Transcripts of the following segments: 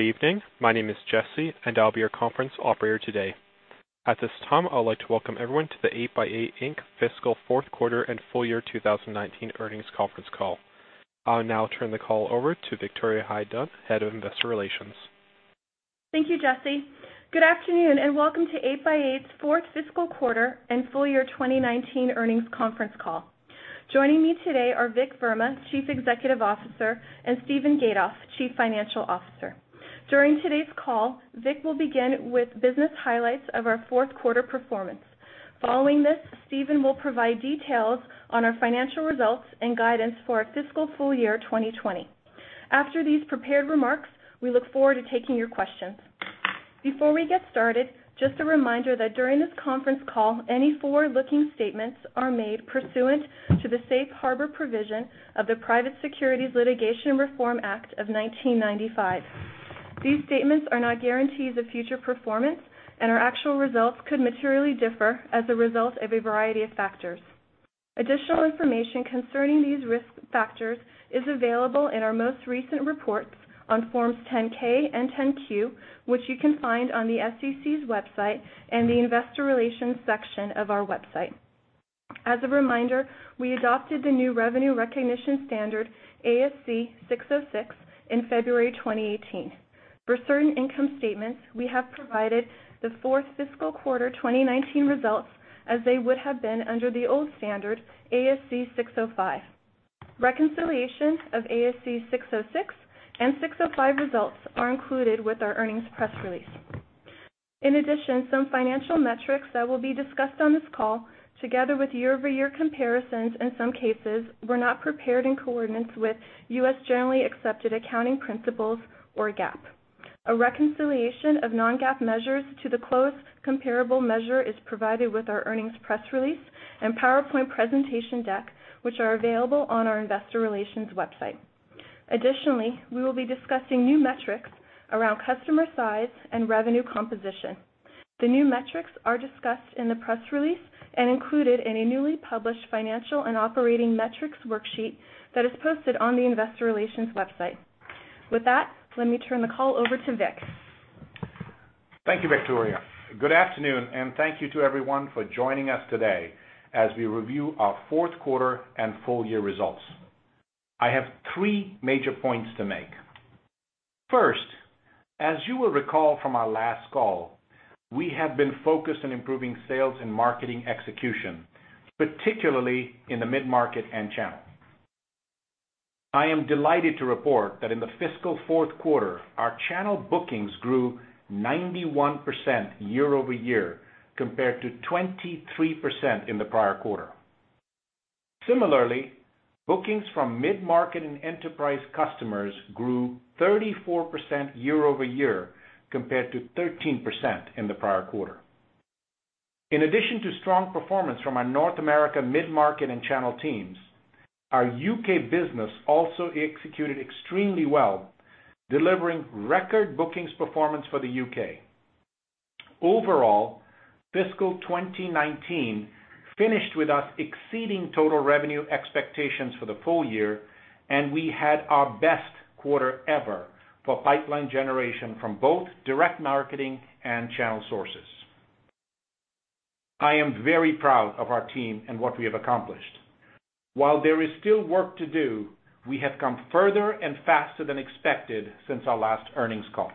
Good evening. My name is Jesse, and I'll be your conference operator today. At this time, I would like to welcome everyone to the 8x8 Inc. fiscal fourth quarter and full year 2019 earnings conference call. I'll now turn the call over to Victoria Hajduk, Head of Investor Relations. Thank you, Jesse. Good afternoon, and welcome to 8x8's fourth fiscal quarter and full year 2019 earnings conference call. Joining me today are Vik Verma, Chief Executive Officer, and Steven Gatoff, Chief Financial Officer. During today's call, Vik will begin with business highlights of our fourth quarter performance. Following this, Steven will provide details on our financial results and guidance for our fiscal full year 2020. After these prepared remarks, we look forward to taking your questions. Before we get started, just a reminder that during this conference call, any forward-looking statements are made pursuant to the safe harbor provision of the Private Securities Litigation Reform Act of 1995. Our actual results could materially differ as a result of a variety of factors. Additional information concerning these risk factors is available in our most recent reports on Forms 10-K and 10-Q, which you can find on the SEC's website and the investor relations section of our website. As a reminder, we adopted the new revenue recognition standard, ASC 606, in February 2018. For certain income statements, we have provided the fourth fiscal quarter 2019 results as they would have been under the old standard, ASC 605. Reconciliation of ASC 606 and 605 results are included with our earnings press release. In addition, some financial metrics that will be discussed on this call, together with year-over-year comparisons in some cases, were not prepared in accordance with U.S. generally accepted accounting principles or GAAP. A reconciliation of non-GAAP measures to the close comparable measure is provided with our earnings press release and PowerPoint presentation deck, which are available on our investor relations website. Additionally, we will be discussing new metrics around customer size and revenue composition. The new metrics are discussed in the press release and included in a newly published financial and operating metrics worksheet that is posted on the investor relations website. With that, let me turn the call over to Vik. Thank you, Victoria. Good afternoon, and thank you to everyone for joining us today as we review our fourth quarter and full year results. I have three major points to make. First, as you will recall from our last call, we have been focused on improving sales and marketing execution, particularly in the mid-market and channel. I am delighted to report that in the fiscal fourth quarter, our channel bookings grew 91% year-over-year compared to 23% in the prior quarter. Similarly, bookings from mid-market and enterprise customers grew 34% year-over-year compared to 13% in the prior quarter. In addition to strong performance from our North America mid-market and channel teams, our U.K. business also executed extremely well, delivering record bookings performance for the U.K. Overall, fiscal 2019 finished with us exceeding total revenue expectations for the full year, and we had our best quarter ever for pipeline generation from both direct marketing and channel sources. I am very proud of our team and what we have accomplished. While there is still work to do, we have come further and faster than expected since our last earnings call.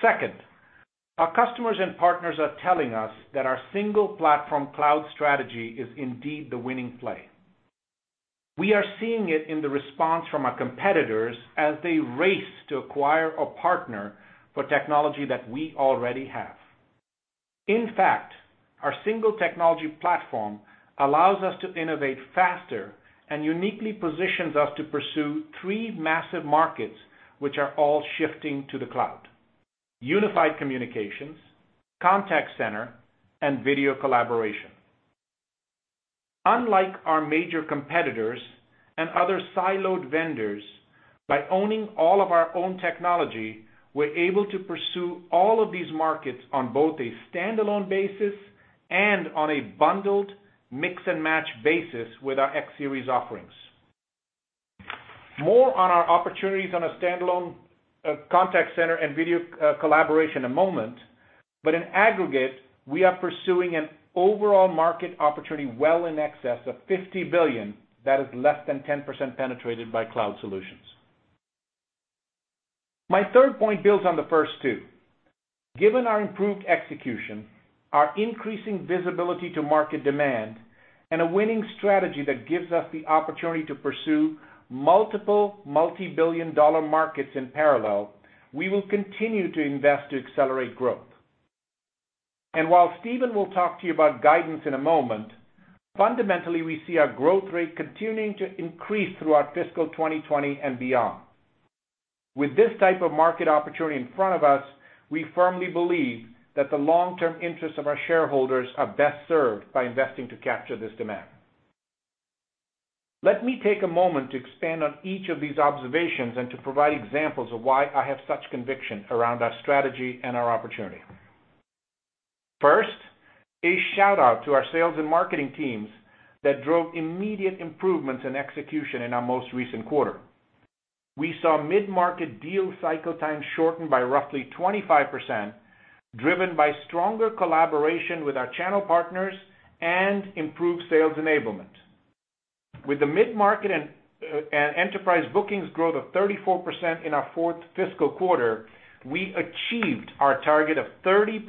Second, our customers and partners are telling us that our single platform cloud strategy is indeed the winning play. We are seeing it in the response from our competitors as they race to acquire a partner for technology that we already have. In fact, our single technology platform allows us to innovate faster and uniquely positions us to pursue three massive markets, which are all shifting to the cloud: unified communications, contact center, and video collaboration. Unlike our major competitors and other siloed vendors, by owning all of our own technology, we are able to pursue all of these markets on both a standalone basis and on a bundled mix-and-match basis with our X Series offerings. More on our opportunities on a standalone contact center and video collaboration in a moment, but in aggregate, we are pursuing an overall market opportunity well in excess of $50 billion that is less than 10% penetrated by cloud solutions. My third point builds on the first two. Given our improved execution, our increasing visibility to market demand, and a winning strategy that gives us the opportunity to pursue multiple multi-billion-dollar markets in parallel, we will continue to invest to accelerate growth. While Steven will talk to you about guidance in a moment, fundamentally, we see our growth rate continuing to increase throughout fiscal 2020 and beyond. With this type of market opportunity in front of us, we firmly believe that the long-term interests of our shareholders are best served by investing to capture this demand. Let me take a moment to expand on each of these observations and to provide examples of why I have such conviction around our strategy and our opportunity. First, a shout-out to our sales and marketing teams that drove immediate improvements in execution in our most recent quarter. We saw mid-market deal cycle time shortened by roughly 25%, driven by stronger collaboration with our channel partners and improved sales enablement. With the mid-market and enterprise bookings growth of 34% in our fourth fiscal quarter, we achieved our target of 30%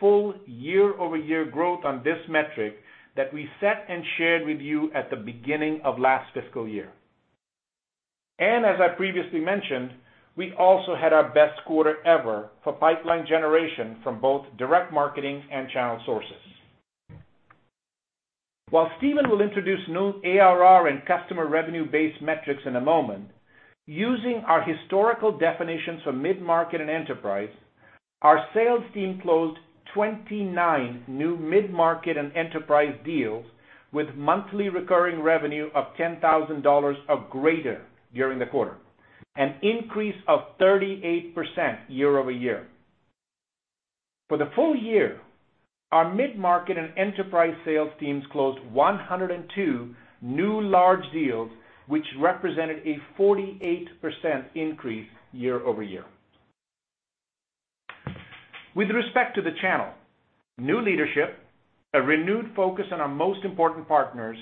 full year-over-year growth on this metric that we set and shared with you at the beginning of last fiscal year. As I previously mentioned, we also had our best quarter ever for pipeline generation from both direct marketing and channel sources. While Steven will introduce new ARR and customer revenue-based metrics in a moment, using our historical definitions for mid-market and enterprise, our sales team closed 29 new mid-market and enterprise deals with monthly recurring revenue of $10,000 or greater during the quarter, an increase of 38% year-over-year. For the full year, our mid-market and enterprise sales teams closed 102 new large deals, which represented a 48% increase year-over-year. With respect to the channel, new leadership, a renewed focus on our most important partners,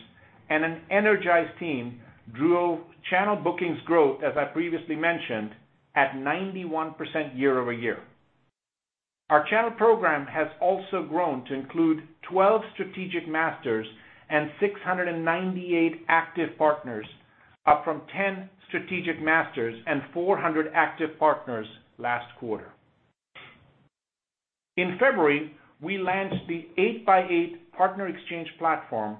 and an energized team drove channel bookings growth, as I previously mentioned, at 91% year-over-year. Our channel program has also grown to include 12 strategic masters and 698 active partners, up from 10 strategic masters and 400 active partners last quarter. In February, we launched the 8x8 Partner Exchange Platform,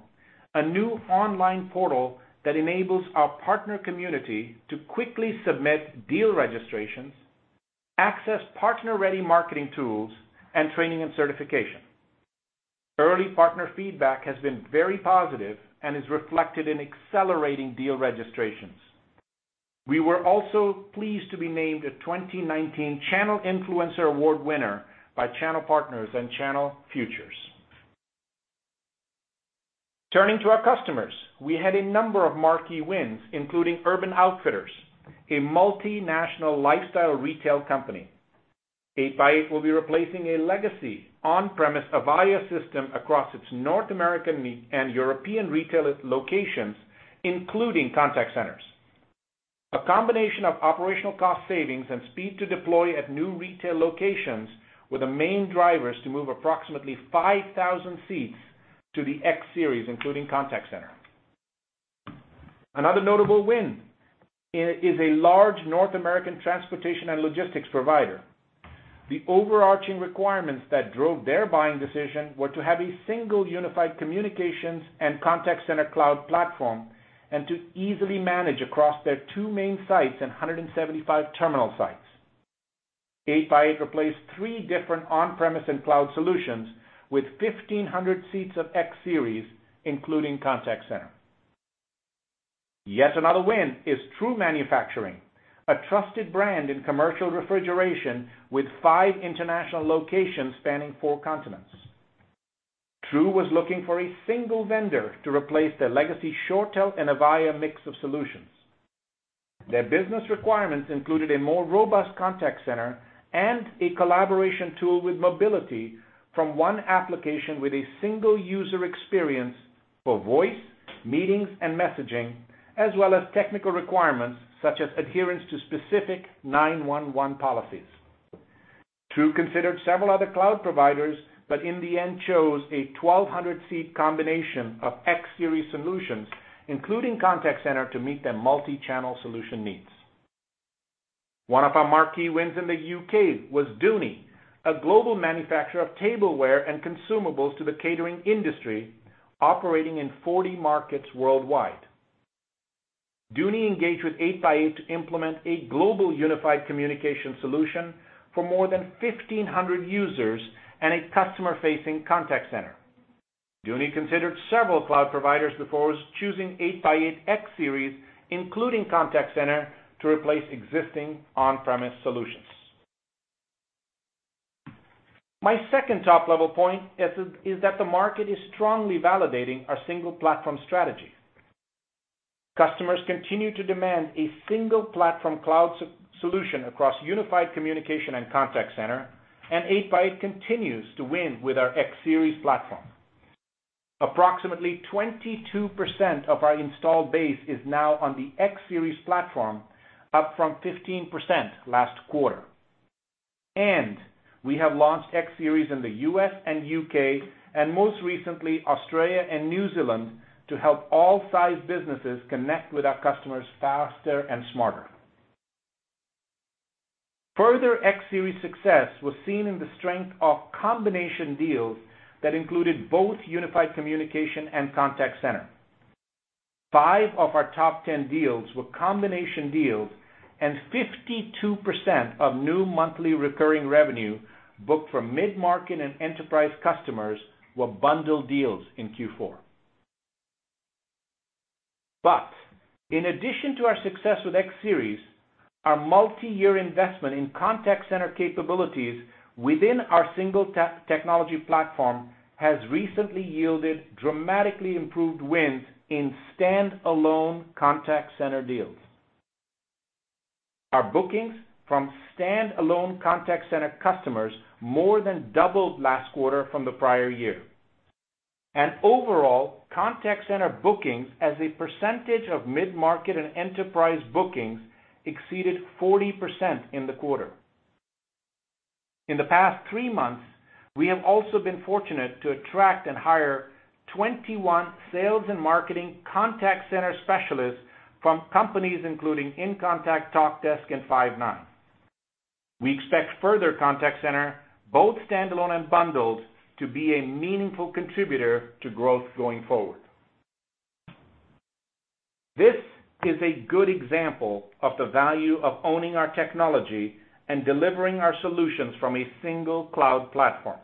a new online portal that enables our partner community to quickly submit deal registrations, access partner-ready marketing tools, and training and certification. Early partner feedback has been very positive and is reflected in accelerating deal registrations. We were also pleased to be named a 2019 Channel Influencer Award winner by Channel Partners and Channel Futures. Turning to our customers, we had a number of marquee wins, including Urban Outfitters, a multinational lifestyle retail company. 8x8 will be replacing a legacy on-premise Avaya system across its North American and European retail locations, including contact centers. A combination of operational cost savings and speed to deploy at new retail locations were the main drivers to move approximately 5,000 seats to the X Series, including contact centers. Another notable win is a large North American transportation and logistics provider. The overarching requirements that drove their buying decision were to have a single unified communications and contact center cloud platform and to easily manage across their two main sites and 175 terminal sites. 8x8 replaced three different on-premise and cloud solutions with 1,500 seats of X Series, including contact center. Yet another win is True Manufacturing, a trusted brand in commercial refrigeration with five international locations spanning four continents. True was looking for a single vendor to replace their legacy ShoreTel and Avaya mix of solutions. Their business requirements included a more robust contact center and a collaboration tool with mobility from one application with a single user experience for voice, meetings, and messaging, as well as technical requirements such as adherence to specific 911 policies. True considered several other cloud providers, but in the end, chose a 1,200-seat combination of X Series solutions, including contact center, to meet their multichannel solution needs. One of our marquee wins in the U.K. was Duni, a global manufacturer of tableware and consumables to the catering industry, operating in 40 markets worldwide. Duni engaged with 8x8 to implement a global unified communication solution for more than 1,500 users and a customer-facing contact center. Duni considered several cloud providers before choosing 8x8 X Series, including contact center, to replace existing on-premise solutions. My second top-level point is that the market is strongly validating our single platform strategy. Customers continue to demand a single platform cloud solution across unified communication and contact center, and 8x8 continues to win with our X Series platform. Approximately 22% of our installed base is now on the X Series platform, up from 15% last quarter. We have launched X Series in the U.S. and U.K., and most recently Australia and New Zealand, to help all size businesses connect with our customers faster and smarter. Further X Series success was seen in the strength of combination deals that included both unified communication and contact center. Five of our top 10 deals were combination deals, and 52% of new monthly recurring revenue booked from mid-market and enterprise customers were bundled deals in Q4. In addition to our success with X Series, our multi-year investment in contact center capabilities within our single technology platform has recently yielded dramatically improved wins in standalone contact center deals. Our bookings from standalone contact center customers more than doubled last quarter from the prior year. Overall, contact center bookings as a percentage of mid-market and enterprise bookings exceeded 40% in the quarter. In the past three months, we have also been fortunate to attract and hire 21 sales and marketing contact center specialists from companies including InContact, Talkdesk, and Five9. We expect further contact center, both standalone and bundled, to be a meaningful contributor to growth going forward. This is a good example of the value of owning our technology and delivering our solutions from a single cloud platform.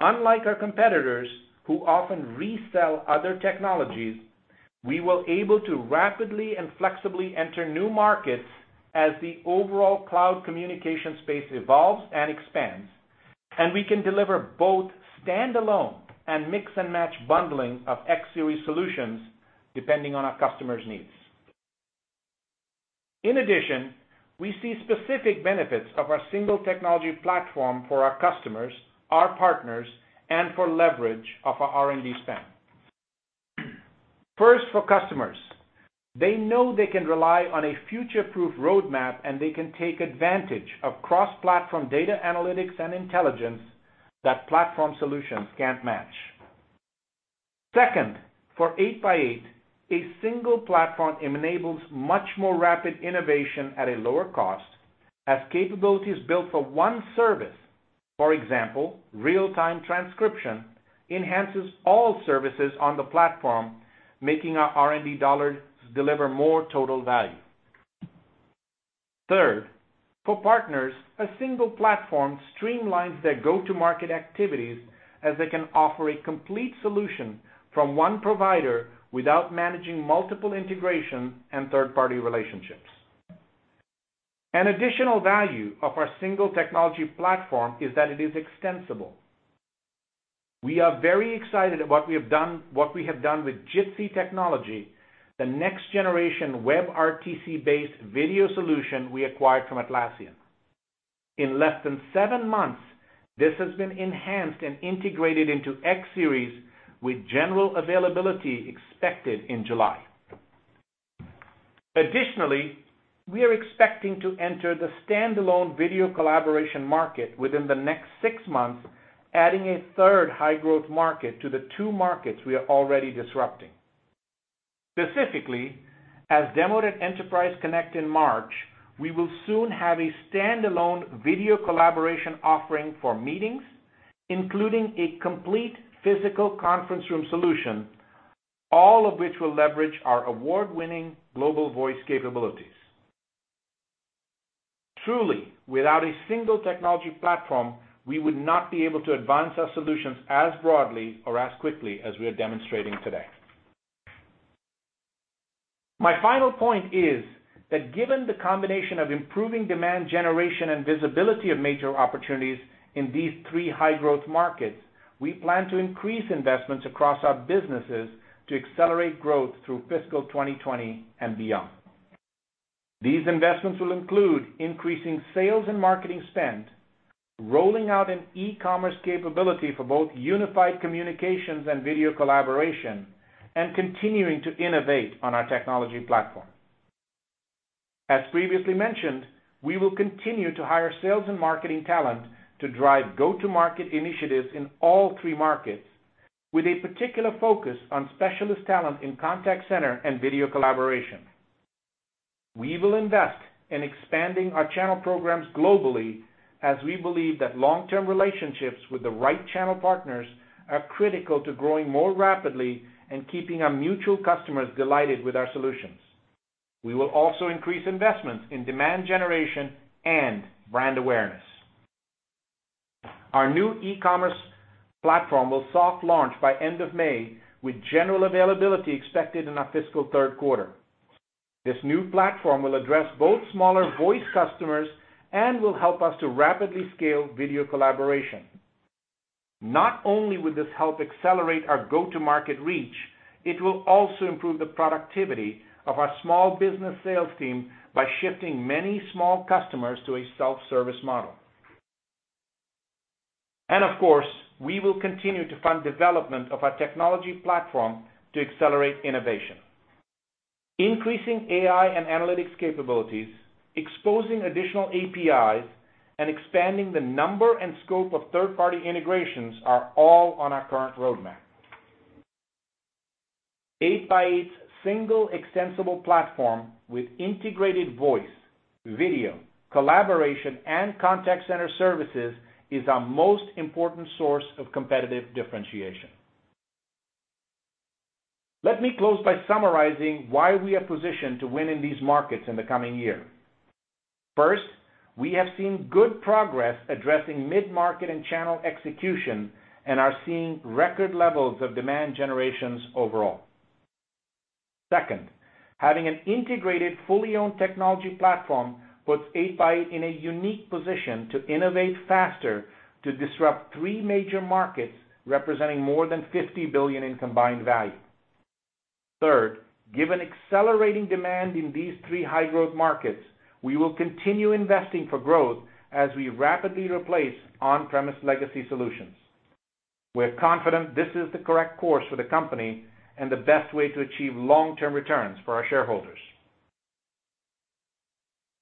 Unlike our competitors, who often resell other technologies, we were able to rapidly and flexibly enter new markets as the overall cloud communication space evolves and expands, and we can deliver both standalone and mix-and-match bundling of X Series solutions depending on our customers' needs. In addition, we see specific benefits of our single technology platform for our customers, our partners, and for leverage of our R&D spend. First, for customers, they know they can rely on a future-proof roadmap, and they can take advantage of cross-platform data analytics and intelligence that platform solutions can't match. Second, for 8x8, a single platform enables much more rapid innovation at a lower cost as capabilities built for one service, for example, real-time transcription, enhances all services on the platform, making our R&D dollars deliver more total value. Third, for partners, a single platform streamlines their go-to-market activities as they can offer a complete solution from one provider without managing multiple integrations and third-party relationships. An additional value of our single technology platform is that it is extensible. We are very excited at what we have done with Jitsi technology, the next-generation WebRTC-based video solution we acquired from Atlassian. In less than seven months, this has been enhanced and integrated into X Series, with general availability expected in July. We are expecting to enter the standalone video collaboration market within the next six months, adding a third high-growth market to the two markets we are already disrupting. Specifically, as demoed at Enterprise Connect in March, we will soon have a standalone video collaboration offering for meetings, including a complete physical conference room solution, all of which will leverage our award-winning global voice capabilities. Truly, without a single technology platform, we would not be able to advance our solutions as broadly or as quickly as we are demonstrating today. My final point is that given the combination of improving demand generation and visibility of major opportunities in these three high-growth markets, we plan to increase investments across our businesses to accelerate growth through fiscal 2020 and beyond. These investments will include increasing sales and marketing spend, rolling out an e-commerce capability for both unified communications and video collaboration, and continuing to innovate on our technology platform. As previously mentioned, we will continue to hire sales and marketing talent to drive go-to-market initiatives in all three markets, with a particular focus on specialist talent in contact center and video collaboration. We will invest in expanding our channel programs globally as we believe that long-term relationships with the right channel partners are critical to growing more rapidly and keeping our mutual customers delighted with our solutions. We will also increase investments in demand generation and brand awareness. Our new e-commerce platform will soft launch by end of May, with general availability expected in our fiscal third quarter. This new platform will address both smaller voice customers and will help us to rapidly scale video collaboration. Not only will this help accelerate our go-to-market reach, it will also improve the productivity of our small business sales team by shifting many small customers to a self-service model. Of course, we will continue to fund development of our technology platform to accelerate innovation. Increasing AI and analytics capabilities, exposing additional APIs, and expanding the number and scope of third-party integrations are all on our current roadmap. 8x8's single extensible platform with integrated voice, video, collaboration, and contact center services is our most important source of competitive differentiation. Let me close by summarizing why we are positioned to win in these markets in the coming year. First, we have seen good progress addressing mid-market and channel execution and are seeing record levels of demand generations overall. Second, having an integrated, fully owned technology platform puts 8x8 in a unique position to innovate faster to disrupt three major markets representing more than $50 billion in combined value. Third, given accelerating demand in these three high-growth markets, we will continue investing for growth as we rapidly replace on-premise legacy solutions. We're confident this is the correct course for the company and the best way to achieve long-term returns for our shareholders.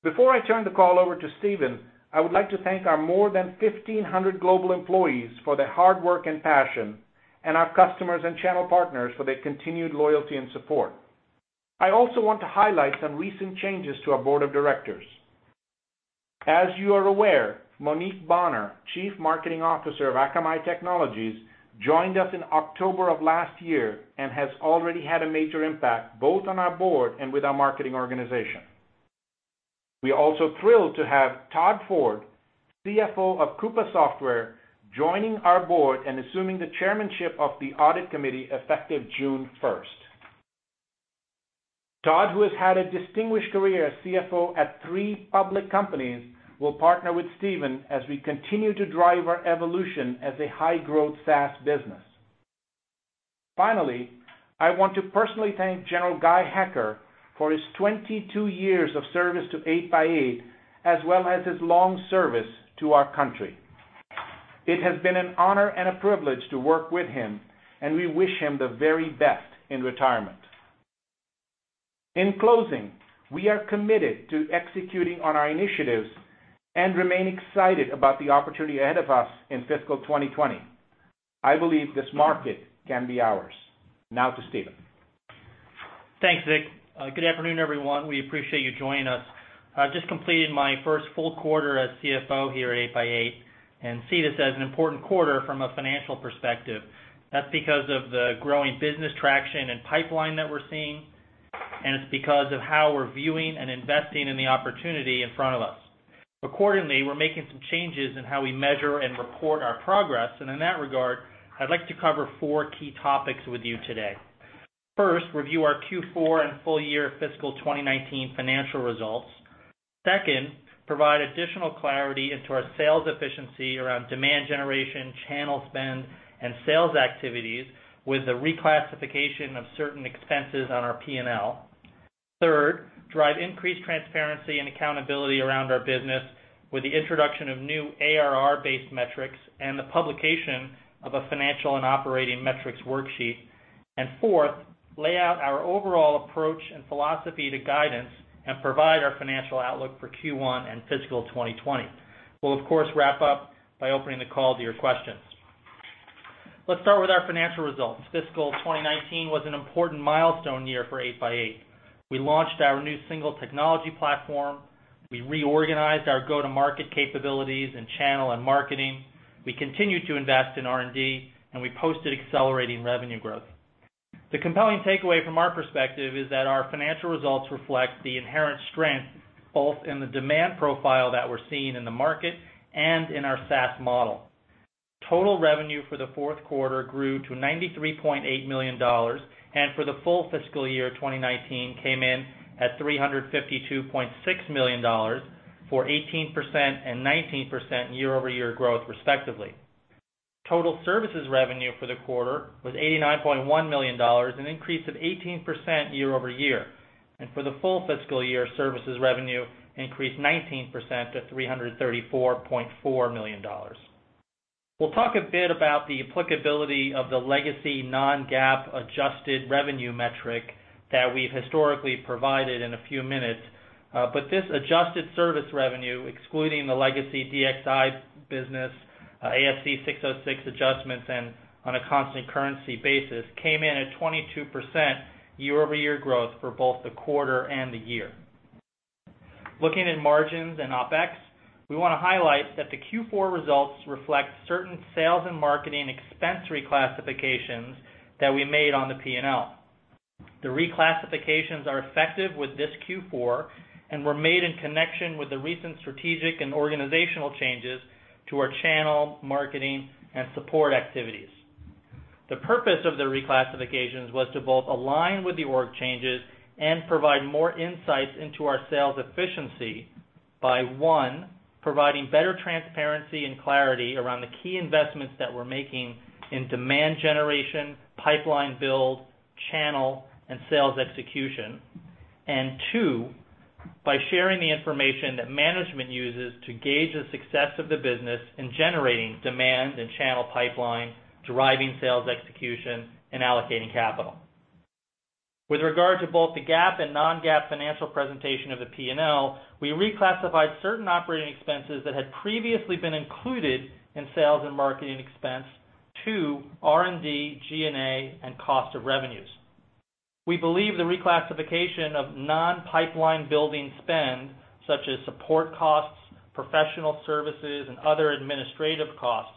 Before I turn the call over to Steven, I would like to thank our more than 1,500 global employees for their hard work and passion, and our customers and channel partners for their continued loyalty and support. I also want to highlight some recent changes to our board of directors. As you are aware, Monique Bonner, Chief Marketing Officer of Akamai Technologies, joined us in October of last year and has already had a major impact, both on our board and with our marketing organization. We are also thrilled to have Todd Ford, CFO of Coupa Software, joining our board and assuming the chairmanship of the audit committee effective July 1st. Todd, who has had a distinguished career as CFO at three public companies, will partner with Steven as we continue to drive our evolution as a high-growth SaaS business. I want to personally thank General Guy Hecker for his 22 years of service to 8x8, as well as his long service to our country. It has been an honor and a privilege to work with him, and we wish him the very best in retirement. In closing, we are committed to executing on our initiatives and remain excited about the opportunity ahead of us in fiscal 2020. I believe this market can be ours. Now to Steven. Thanks, Vik. Good afternoon, everyone. We appreciate you joining us. I've just completed my first full quarter as CFO here at 8x8, and see this as an important quarter from a financial perspective. That's because of the growing business traction and pipeline that we're seeing, and it's because of how we're viewing and investing in the opportunity in front of us. Accordingly, we're making some changes in how we measure and report our progress, and in that regard, I'd like to cover four key topics with you today. First, review our Q4 and full year fiscal 2019 financial results. Second, provide additional clarity into our sales efficiency around demand generation, channel spend, and sales activities with the reclassification of certain expenses on our P&L. Third, drive increased transparency and accountability around our business with the introduction of new ARR-based metrics and the publication of a financial and operating metrics worksheet. Fourth, lay out our overall approach and philosophy to guidance and provide our financial outlook for Q1 and fiscal 2020. We'll of course, wrap up by opening the call to your questions. Let's start with our financial results. Fiscal 2019 was an important milestone year for 8x8. We launched our new single technology platform, we reorganized our go-to-market capabilities in channel and marketing, we continued to invest in R&D, and we posted accelerating revenue growth. The compelling takeaway from our perspective is that our financial results reflect the inherent strength both in the demand profile that we're seeing in the market and in our SaaS model. Total revenue for the fourth quarter grew to $93.8 million, and for the full fiscal year of 2019 came in at $352.6 million, for 18% and 19% year-over-year growth respectively. Total services revenue for the quarter was $89.1 million, an increase of 18% year-over-year. For the full fiscal year, services revenue increased 19% to $334.4 million. We'll talk a bit about the applicability of the legacy non-GAAP adjusted revenue metric that we've historically provided in a few minutes. This adjusted service revenue, excluding the legacy DXI business, ASC 606 adjustments, and on a constant currency basis, came in at 22% year-over-year growth for both the quarter and the year. Looking at margins and OpEx, we want to highlight that the Q4 results reflect certain sales and marketing expense reclassifications that we made on the P&L. The reclassifications are effective with this Q4 and were made in connection with the recent strategic and organizational changes to our channel, marketing, and support activities. The purpose of the reclassifications was to both align with the org changes and provide more insights into our sales efficiency by, one, providing better transparency and clarity around the key investments that we're making in demand generation, pipeline build, channel, and sales execution. Two, by sharing the information that management uses to gauge the success of the business in generating demand and channel pipeline, driving sales execution, and allocating capital. With regard to both the GAAP and non-GAAP financial presentation of the P&L, we reclassified certain operating expenses that had previously been included in sales and marketing expense to R&D, G&A, and cost of revenues. We believe the reclassification of non-pipeline building spend, such as support costs, Professional services and other administrative costs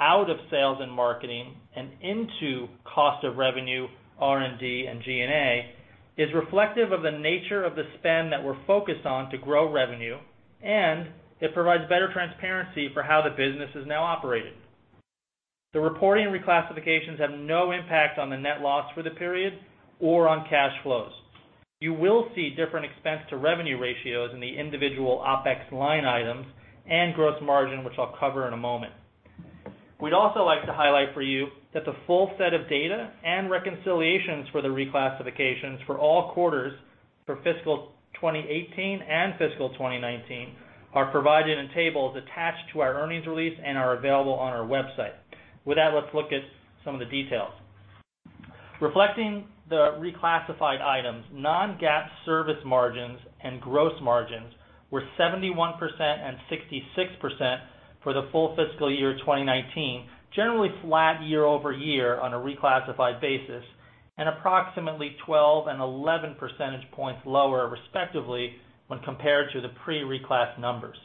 out of sales and marketing and into cost of revenue, R&D, and G&A is reflective of the nature of the spend that we're focused on to grow revenue, and it provides better transparency for how the business is now operated. The reporting reclassifications have no impact on the net loss for the period or on cash flows. You will see different expense to revenue ratios in the individual OpEx line items and gross margin, which I'll cover in a moment. We'd also like to highlight for you that the full set of data and reconciliations for the reclassifications for all quarters for fiscal 2018 and fiscal 2019 are provided in tables attached to our earnings release and are available on our website. With that, let's look at some of the details. Reflecting the reclassified items, non-GAAP service margins and gross margins were 71% and 66% for the full fiscal year 2019, generally flat year-over-year on a reclassified basis, and approximately 12 and 11 percentage points lower, respectively, when compared to the pre-reclass numbers.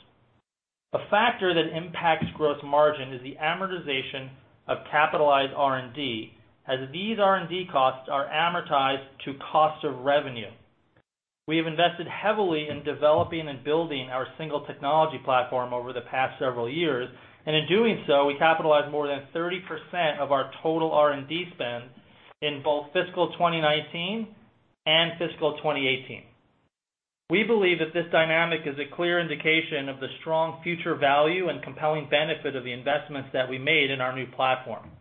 A factor that impacts gross margin is the amortization of capitalized R&D, as these R&D costs are amortized to cost of revenue. We have invested heavily in developing and building our single technology platform over the past several years, and in doing so, we capitalized more than 30% of our total R&D spend in both fiscal 2019 and fiscal 2018. We believe that this dynamic is a clear indication of the strong future value and compelling benefit of the investments that we made in our new platform.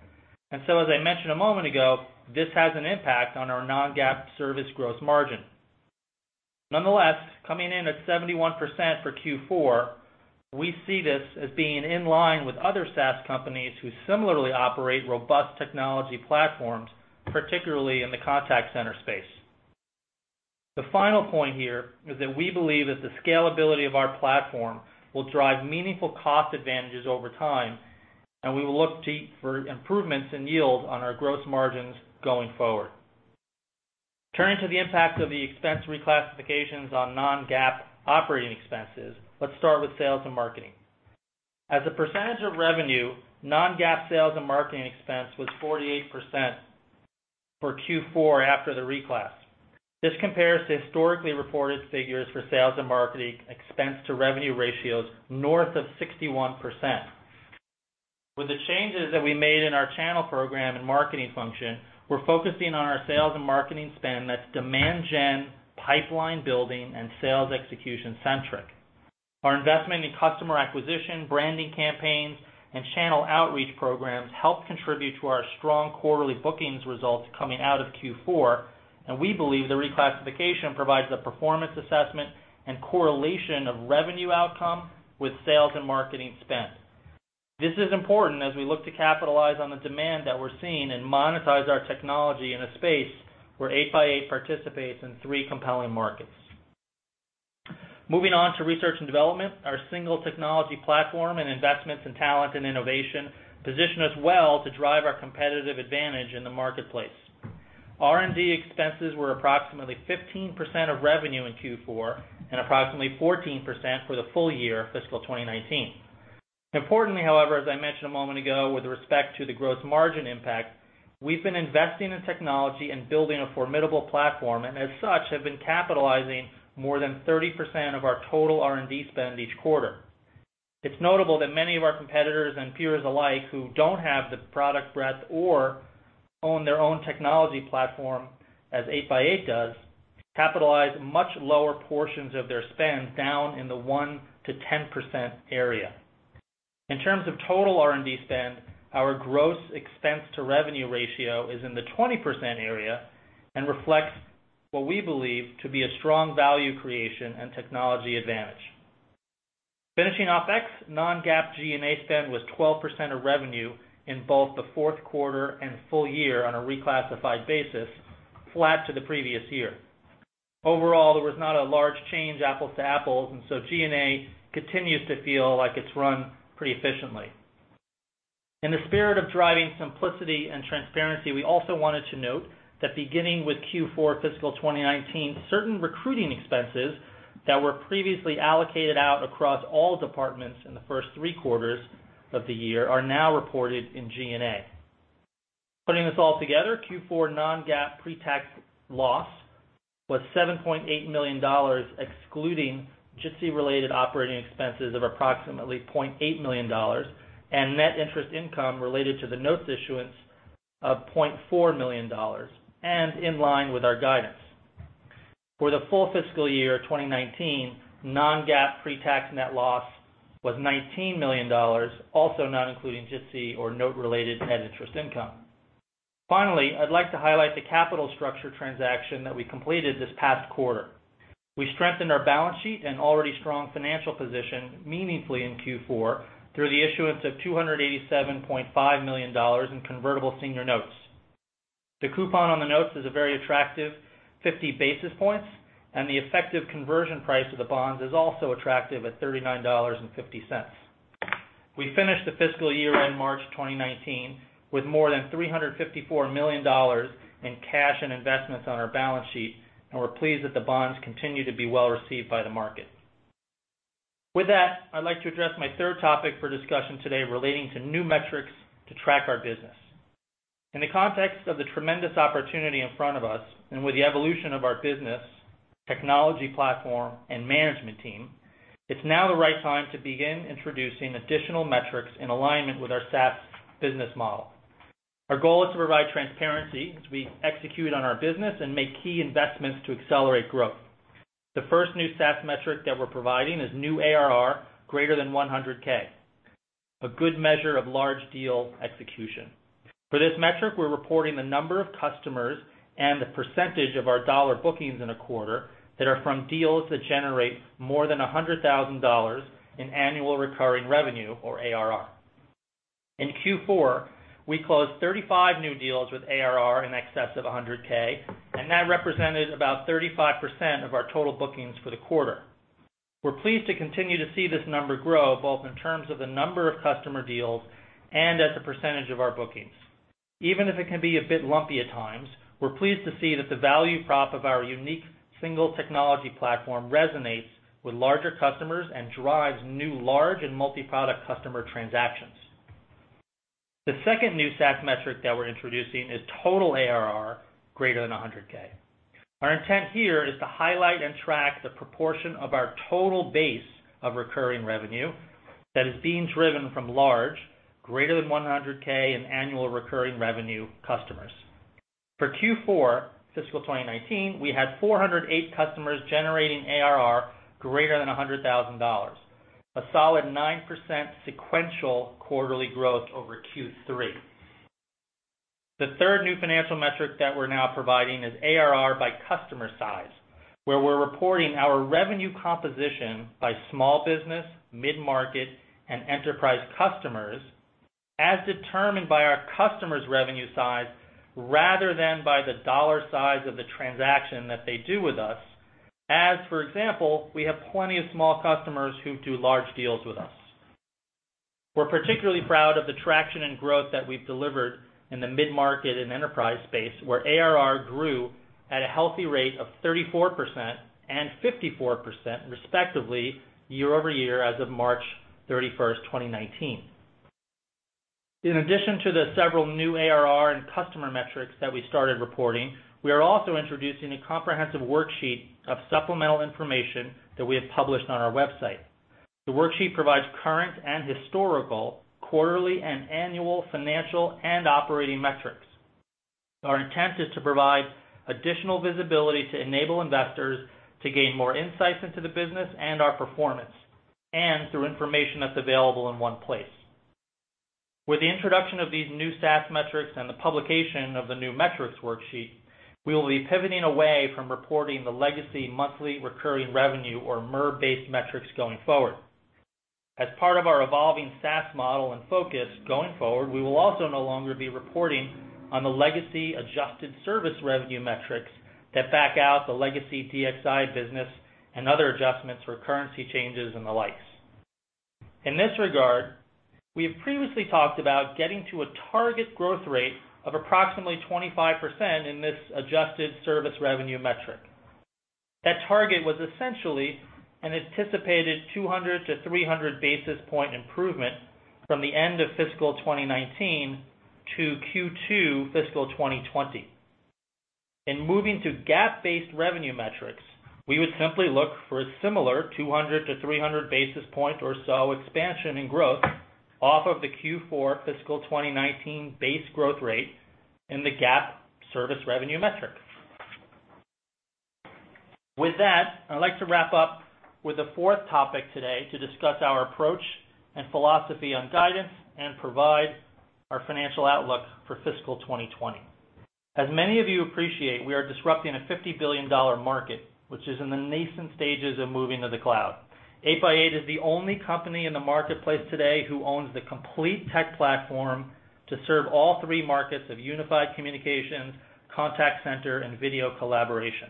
As I mentioned a moment ago, this has an impact on our non-GAAP service gross margin. Nonetheless, coming in at 71% for Q4, we see this as being in line with other SaaS companies who similarly operate robust technology platforms, particularly in the contact center space. The final point here is that we believe that the scalability of our platform will drive meaningful cost advantages over time, and we will look for improvements in yield on our gross margins going forward. Turning to the impact of the expense reclassifications on non-GAAP operating expenses, let's start with sales and marketing. As a percentage of revenue, non-GAAP sales and marketing expense was 48% for Q4 after the reclass. This compares to historically reported figures for sales and marketing expense to revenue ratios north of 61%. With the changes that we made in our channel program and marketing function, we're focusing on our sales and marketing spend that's demand gen, pipeline building, and sales execution centric. Our investment in customer acquisition, branding campaigns, and channel outreach programs help contribute to our strong quarterly bookings results coming out of Q4, and we believe the reclassification provides a performance assessment and correlation of revenue outcome with sales and marketing spend. This is important as we look to capitalize on the demand that we're seeing and monetize our technology in a space where 8x8 participates in three compelling markets. Moving on to research and development, our single technology platform and investments in talent and innovation position us well to drive our competitive advantage in the marketplace. R&D expenses were approximately 15% of revenue in Q4, and approximately 14% for the full year fiscal 2019. Importantly, however, as I mentioned a moment ago with respect to the gross margin impact, we've been investing in technology and building a formidable platform, and as such, have been capitalizing more than 30% of our total R&D spend each quarter. It's notable that many of our competitors and peers alike who don't have the product breadth or own their own technology platform, as 8x8 does, capitalize much lower portions of their spend down in the 1%-10% area. In terms of total R&D spend, our gross expense to revenue ratio is in the 20% area and reflects what we believe to be a strong value creation and technology advantage. Finishing OPEX, non-GAAP G&A spend was 12% of revenue in both the fourth quarter and full year on a reclassified basis, flat to the previous year. Overall, there was not a large change apples to apples. G&A continues to feel like it's run pretty efficiently. In the spirit of driving simplicity and transparency, we also wanted to note that beginning with Q4 fiscal 2019, certain recruiting expenses that were previously allocated out across all departments in the first three quarters of the year are now reported in G&A. Putting this all together, Q4 non-GAAP pre-tax loss was $7.8 million, excluding GIPS-related operating expenses of approximately $0.8 million and net interest income related to the notes issuance of $0.4 million and in line with our guidance. For the full fiscal year 2019, non-GAAP pre-tax net loss was $19 million, also not including GIPS or note-related net interest income. Finally, I'd like to highlight the capital structure transaction that we completed this past quarter. We strengthened our balance sheet and already strong financial position meaningfully in Q4 through the issuance of $287.5 million in convertible senior notes. The coupon on the notes is a very attractive 50 basis points. The effective conversion price of the bonds is also attractive at $39.50. We finished the fiscal year-end March 2019 with more than $354 million in cash and investments on our balance sheet. We're pleased that the bonds continue to be well-received by the market. With that, I'd like to address my third topic for discussion today relating to new metrics to track our business. In the context of the tremendous opportunity in front of us and with the evolution of our business, technology platform, and management team, it's now the right time to begin introducing additional metrics in alignment with our SaaS business model. Our goal is to provide transparency as we execute on our business and make key investments to accelerate growth. The first new SaaS metric that we're providing is new ARR greater than $100K, a good measure of large deal execution. For this metric, we're reporting the number of customers and the percentage of our dollar bookings in a quarter that are from deals that generate more than $100,000 in annual recurring revenue or ARR. In Q4, we closed 35 new deals with ARR in excess of $100K, and that represented about 35% of our total bookings for the quarter. We're pleased to continue to see this number grow, both in terms of the number of customer deals and as a percentage of our bookings. Even if it can be a bit lumpy at times, we're pleased to see that the value prop of our unique single technology platform resonates with larger customers and drives new large and multiproduct customer transactions. The second new SaaS metric that we're introducing is total ARR greater than $100K. Our intent here is to highlight and track the proportion of our total base of recurring revenue that is being driven from large, greater than $100K in annual recurring revenue customers. For Q4 fiscal 2019, we had 408 customers generating ARR greater than $100,000. A solid 9% sequential quarterly growth over Q3. The third new financial metric that we're now providing is ARR by customer size, where we're reporting our revenue composition by small business, mid-market, and enterprise customers, as determined by our customers' revenue size, rather than by the dollar size of the transaction that they do with us. For example, we have plenty of small customers who do large deals with us. We're particularly proud of the traction and growth that we've delivered in the mid-market and enterprise space, where ARR grew at a healthy rate of 34% and 54% respectively year-over-year as of March 31st, 2019. In addition to the several new ARR and customer metrics that we started reporting, we are also introducing a comprehensive worksheet of supplemental information that we have published on our website. The worksheet provides current and historical quarterly and annual financial and operating metrics. Our intent is to provide additional visibility to enable investors to gain more insights into the business and our performance, and through information that's available in one place. With the introduction of these new SaaS metrics and the publication of the new metrics worksheet, we will be pivoting away from reporting the legacy monthly recurring revenue or MRR-based metrics going forward. As part of our evolving SaaS model and focus going forward, we will also no longer be reporting on the legacy adjusted service revenue metrics that back out the legacy DXI business and other adjustments for currency changes and the likes. In this regard, we have previously talked about getting to a target growth rate of approximately 25% in this adjusted service revenue metric. That target was essentially an anticipated 200 to 300 basis point improvement from the end of fiscal 2019 to Q2 fiscal 2020. In moving to GAAP-based revenue metrics, we would simply look for a similar 200-300 basis point or so expansion in growth off of the Q4 fiscal 2019 base growth rate in the GAAP service revenue metric. With that, I'd like to wrap up with the fourth topic today to discuss our approach and philosophy on guidance and provide our financial outlook for fiscal 2020. As many of you appreciate, we are disrupting a $50 billion market, which is in the nascent stages of moving to the cloud. 8x8 is the only company in the marketplace today that owns the complete tech platform to serve all three markets of unified communications, contact center, and video collaboration.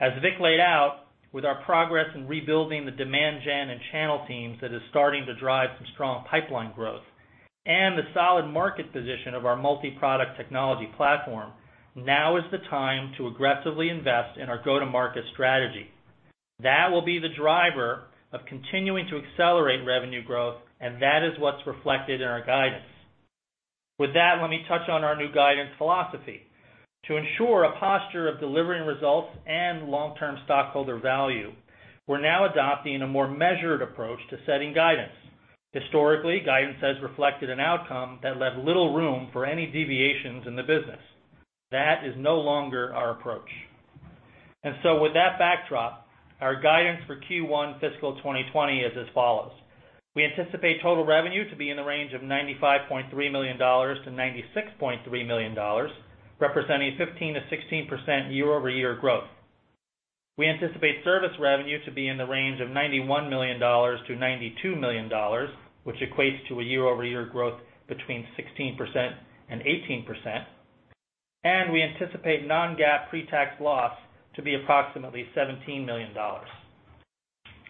As Vik laid out, with our progress in rebuilding the demand gen and channel teams that is starting to drive some strong pipeline growth, and the solid market position of our multiproduct technology platform, now is the time to aggressively invest in our go-to-market strategy. That will be the driver of continuing to accelerate revenue growth, and that is what's reflected in our guidance. With that, let me touch on our new guidance philosophy. To ensure a posture of delivering results and long-term stockholder value, we're now adopting a more measured approach to setting guidance. Historically, guidance has reflected an outcome that left little room for any deviations in the business. That is no longer our approach. With that backdrop, our guidance for Q1 fiscal 2020 is as follows. We anticipate total revenue to be in the range of $95.3 million-$96.3 million, representing 15%-16% year-over-year growth. We anticipate service revenue to be in the range of $91 million-$92 million, which equates to a year-over-year growth between 16% and 18%. We anticipate non-GAAP pre-tax loss to be approximately $17 million.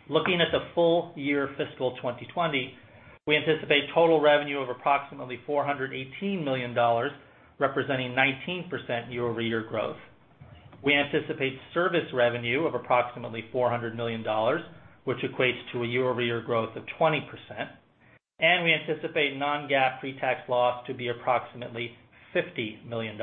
Looking at the full-year fiscal 2020, we anticipate total revenue of approximately $418 million, representing 19% year-over-year growth. We anticipate service revenue of approximately $400 million, which equates to a year-over-year growth of 20%, and we anticipate non-GAAP pre-tax loss to be approximately $50 million.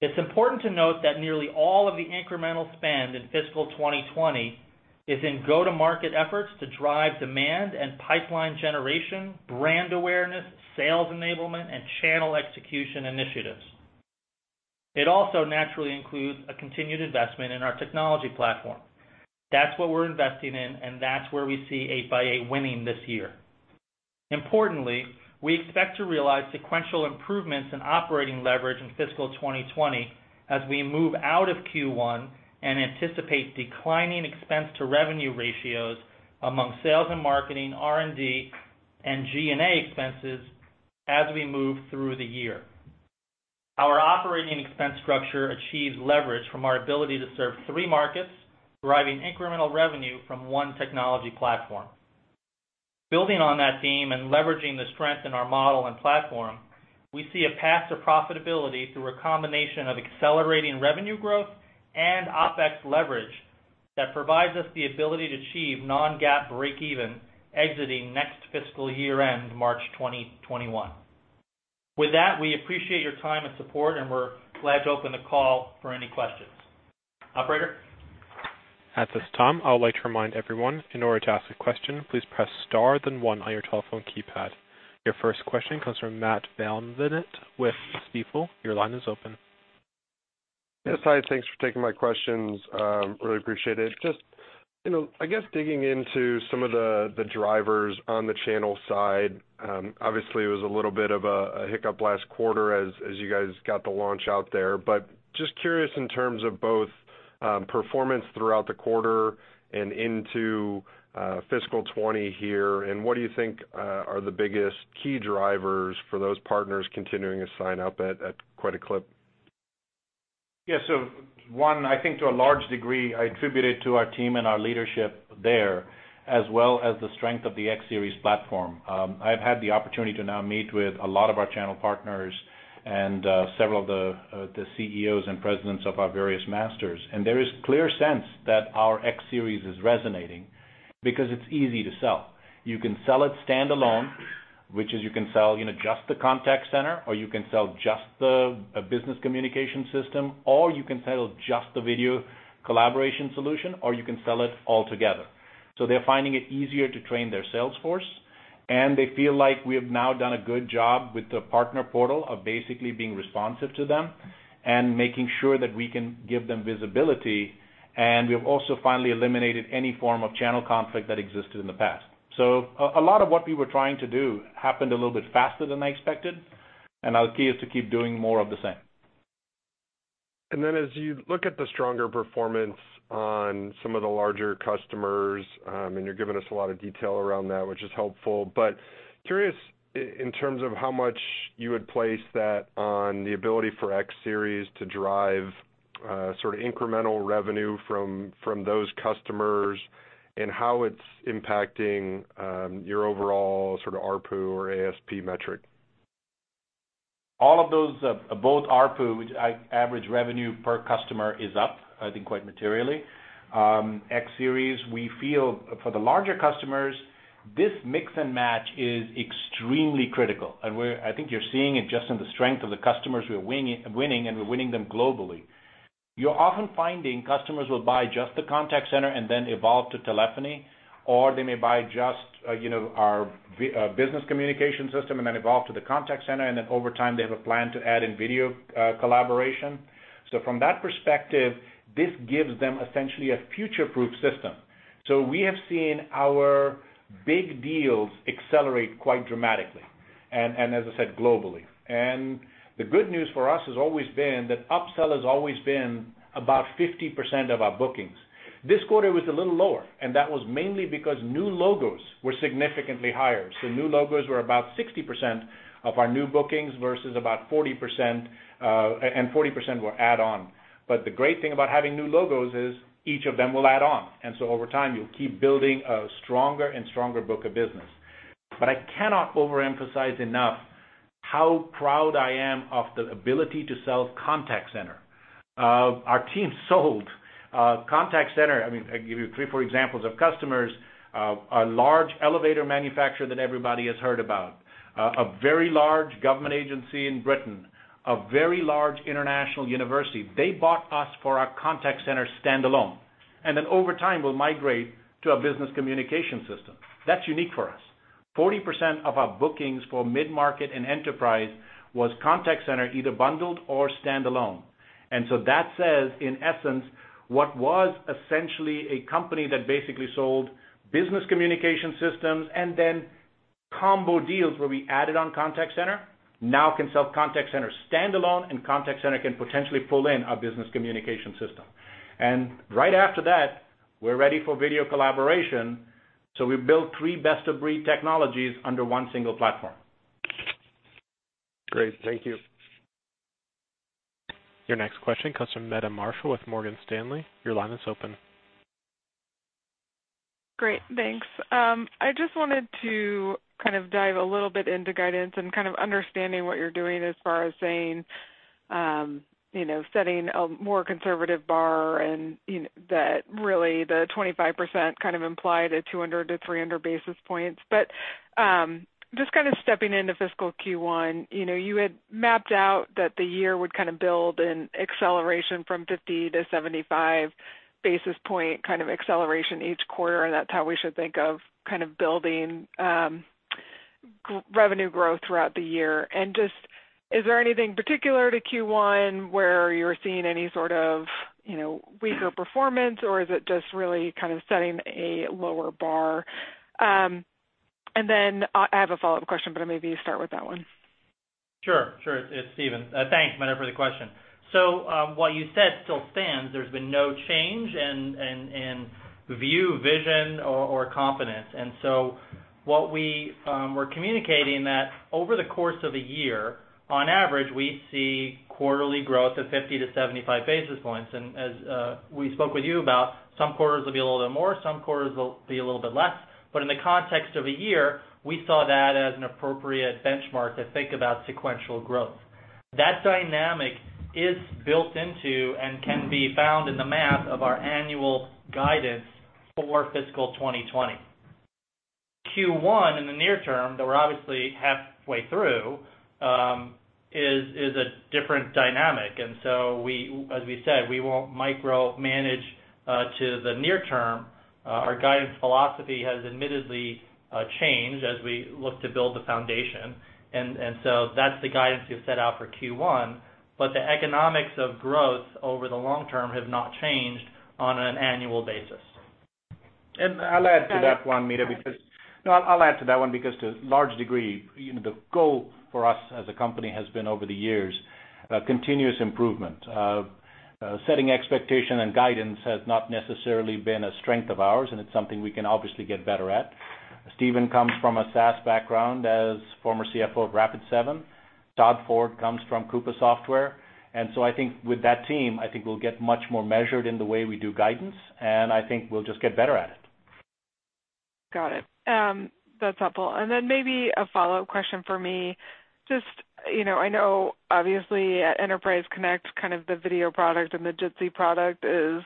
It's important to note that nearly all of the incremental spend in fiscal 2020 is in go-to-market efforts to drive demand and pipeline generation, brand awareness, sales enablement, and channel execution initiatives. It also naturally includes a continued investment in our technology platform. That's what we're investing in, and that's where we see 8x8 winning this year. Importantly, we expect to realize sequential improvements in operating leverage in fiscal 2020 as we move out of Q1 and anticipate declining expense to revenue ratios among sales and marketing, R&D, and G&A expenses as we move through the year. Our operating expense structure achieves leverage from our ability to serve three markets, deriving incremental revenue from one technology platform. Building on that theme and leveraging the strength in our model and platform, we see a path to profitability through a combination of accelerating revenue growth and OpEx leverage that provides us the ability to achieve non-GAAP breakeven exiting next fiscal year end, March 2021. With that, we appreciate your time and support, and we're glad to open the call for any questions. Operator? At this time, I would like to remind everyone, in order to ask a question, please press star then one on your telephone keypad. Your first question comes from Matthew VanVliet with Stifel. Your line is open. Yes. Hi, thanks for taking my questions. Really appreciate it. Just, I guess digging into some of the drivers on the channel side. Obviously, it was a little bit of a hiccup last quarter as you guys got the launch out there, curious in terms of both performance throughout the quarter and into fiscal 2020 here. What do you think are the biggest key drivers for those partners continuing to sign up at quite a clip? Yeah. One, I think to a large degree, I attribute it to our team and our leadership there, as well as the strength of the X Series platform. I've had the opportunity to now meet with a lot of our channel partners and several of the CEOs and presidents of our various masters. There is a clear sense that our X Series is resonating because it's easy to sell. You can sell it standalone, which is you can sell just the contact center, or you can sell just the business communication system, or you can sell just the video collaboration solution, or you can sell it all together. They're finding it easier to train their sales force, and they feel like we have now done a good job with the partner portal of basically being responsive to them and making sure that we can give them visibility. We have also finally eliminated any form of channel conflict that existed in the past. A lot of what we were trying to do happened a little bit faster than I expected. Now the key is to keep doing more of the same. As you look at the stronger performance on some of the larger customers, you're giving us a lot of detail around that, which is helpful, but curious in terms of how much you would place that on the ability for X Series to drive sort of incremental revenue from those customers and how it's impacting your overall sort of ARPU or ASP metric. ARPU, which average revenue per customer is up, I think quite materially. X Series, we feel for the larger customers, this mix and match is extremely critical, and I think you're seeing it just in the strength of the customers we're winning, and we're winning them globally. You're often finding customers will buy just the contact center and then evolve to telephony, or they may buy just our business communication system and then evolve to the contact center, and then over time, they have a plan to add in video collaboration. From that perspective, this gives them essentially a future-proof system. We have seen our big deals accelerate quite dramatically, and as I said, globally. The good news for us has always been that upsell has always been about 50% of our bookings. This quarter was a little lower, that was mainly because new logos were significantly higher. New logos were about 60% of our new bookings versus about 40%. 40% were add on. The great thing about having new logos is each of them will add on. Over time, you'll keep building a stronger and stronger book of business. I cannot overemphasize enough how proud I am of the ability to sell contact center. Our team sold contact center. I mean, I can give you three or four examples of customers. A large elevator manufacturer that everybody has heard about, a very large government agency in Britain, a very large international university. They bought us for our contact center standalone. Over time, will migrate to a business communication system. That's unique for us. 40% of our bookings for mid-market and enterprise was contact center, either bundled or standalone. That says, in essence, what was essentially a company that basically sold business communication systems and then combo deals where we added on contact center now can sell contact center standalone and contact center can potentially pull in our business communication system. Right after that, we're ready for video collaboration. We've built 3 best-of-breed technologies under one single platform. Great. Thank you. Your next question comes from Meta Marshall with Morgan Stanley. Your line is open. Great, thanks. I just wanted to kind of dive a little bit into guidance and kind of understanding what you're doing as far as saying, setting a more conservative bar and that really the 25% kind of implied a 200 to 300 basis points. Just kind of stepping into fiscal Q1, you had mapped out that the year would kind of build an acceleration from 50 to 75 basis points kind of acceleration each quarter, and that's how we should think of kind of building revenue growth throughout the year. Just, is there anything particular to Q1 where you're seeing any sort of weaker performance, or is it just really kind of setting a lower bar? Then I have a follow-up question, but maybe you start with that one. Sure. It's Steven. Thanks, Meta, for the question. What you said still stands. There's been no change in view, vision, or confidence. What we were communicating that over the course of a year, on average, we see quarterly growth of 50 to 75 basis points. As we spoke with you about, some quarters will be a little bit more, some quarters will be a little bit less. In the context of a year, we saw that as an appropriate benchmark to think about sequential growth. That dynamic is built into and can be found in the math of our annual guidance for fiscal 2020. Q1 in the near term, though we're obviously halfway through, is a different dynamic. As we said, we won't micromanage to the near term. Our guidance philosophy has admittedly changed as we look to build the foundation. That's the guidance we've set out for Q1. The economics of growth over the long term have not changed on an annual basis. I'll add to that one, Meta, because to a large degree, the goal for us as a company has been over the years, continuous improvement. Setting expectation and guidance has not necessarily been a strength of ours, and it's something we can obviously get better at. Steven comes from a SaaS background as former CFO of Rapid7. Todd Ford comes from Coupa Software. I think with that team, I think we'll get much more measured in the way we do guidance, and I think we'll just get better at it. Got it. That's helpful. Maybe a follow-up question for me, just I know obviously at Enterprise Connect, kind of the video product and the Jitsi product is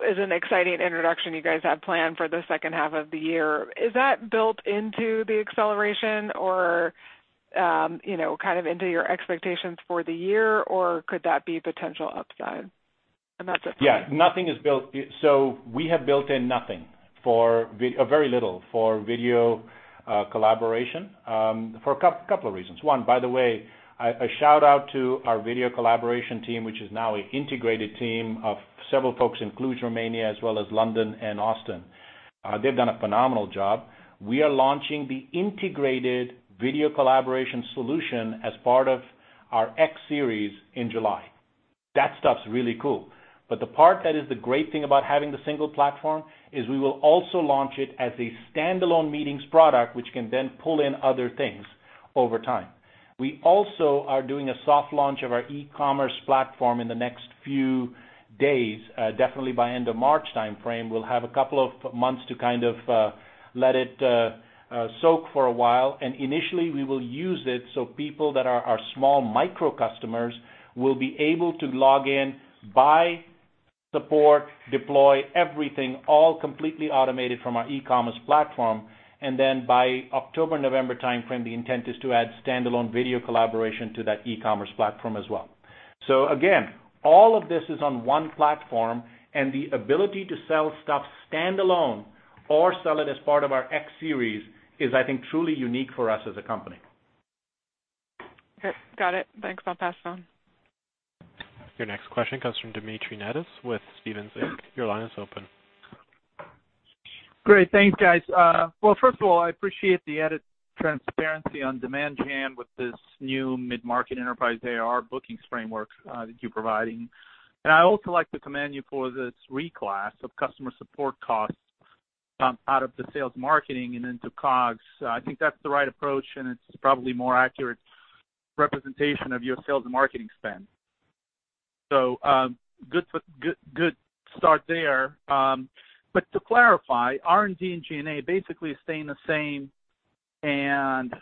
an exciting introduction you guys have planned for the second half of the year. Is that built into the acceleration or kind of into your expectations for the year, or could that be potential upside? That's it for me. Yeah, nothing is built. We have built in nothing or very little for video collaboration for a couple of reasons. One, by the way, a shout-out to our video collaboration team, which is now an integrated team of several folks in Cluj, Romania, as well as London and Austin. They've done a phenomenal job. We are launching the integrated video collaboration solution as part of our X Series in July. That stuff's really cool. The part that is the great thing about having the single platform is we will also launch it as a standalone meetings product, which can then pull in other things over time. We also are doing a soft launch of our e-commerce platform in the next few days. Definitely by end of March timeframe, we'll have a couple of months to kind of let it soak for a while. Initially, we will use it so people that are our small micro customers will be able to log in, buy support, deploy everything, all completely automated from our e-commerce platform. By October, November timeframe, the intent is to add standalone video collaboration to that e-commerce platform as well. Again, all of this is on one platform, and the ability to sell stuff standalone or sell it as part of our X Series is, I think, truly unique for us as a company. Okay, got it. Thanks. I'll pass it on. Your next question comes from Dmitry Nedas with Stephens Inc. Your line is open. Great. Thanks, guys. First of all, I appreciate the added transparency on demand gen with this new mid-market enterprise AR bookings framework that you're providing. I'd also like to commend you for this reclass of customer support costs out of the sales marketing and into COGS. I think that's the right approach. It's probably more accurate representation of your sales and marketing spend. Good start there. To clarify, R&D and G&A basically is staying the same, and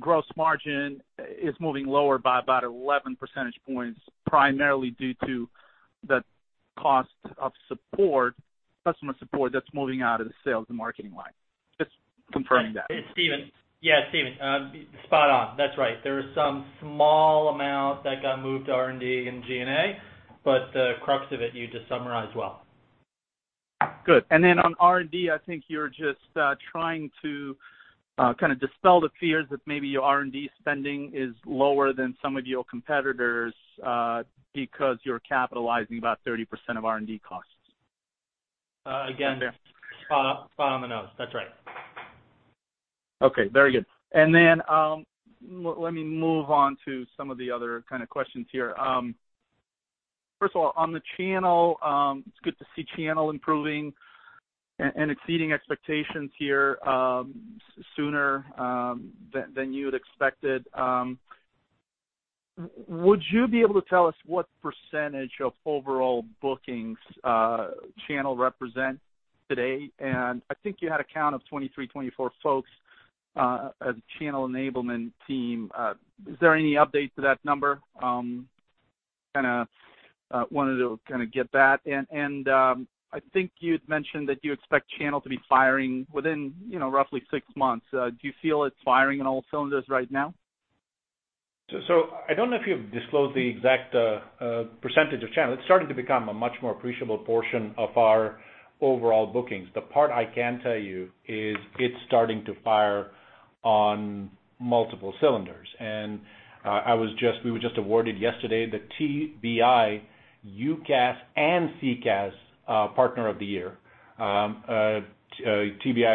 gross margin is moving lower by about 11 percentage points, primarily due to the cost of customer support that's moving out of the sales and marketing line. Just confirming that. It's Steven. Steven. Spot on. That's right. There is some small amount that got moved to R&D and G&A, the crux of it, you just summarized well. Good. On R&D, I think you're just trying to kind of dispel the fears that maybe your R&D spending is lower than some of your competitors because you're capitalizing about 30% of R&D costs. Again, spot on the nose. That's right. Okay, very good. Let me move on to some of the other kind of questions here. First of all, on the channel, it's good to see channel improving and exceeding expectations here sooner than you'd expected. Would you be able to tell us what percentage of overall bookings channel represent today? I think you had a count of 23-24 folks as a channel enablement team. Is there any update to that number? Kind of wanted to get that. I think you'd mentioned that you expect channel to be firing within roughly 6 months. Do you feel it's firing on all cylinders right now? I don't know if you've disclosed the exact percentage of channel. It's starting to become a much more appreciable portion of our overall bookings. The part I can tell you is it's starting to fire on multiple cylinders. We were just awarded yesterday the TBI UCaaS and CCaaS Partner of the Year. TBI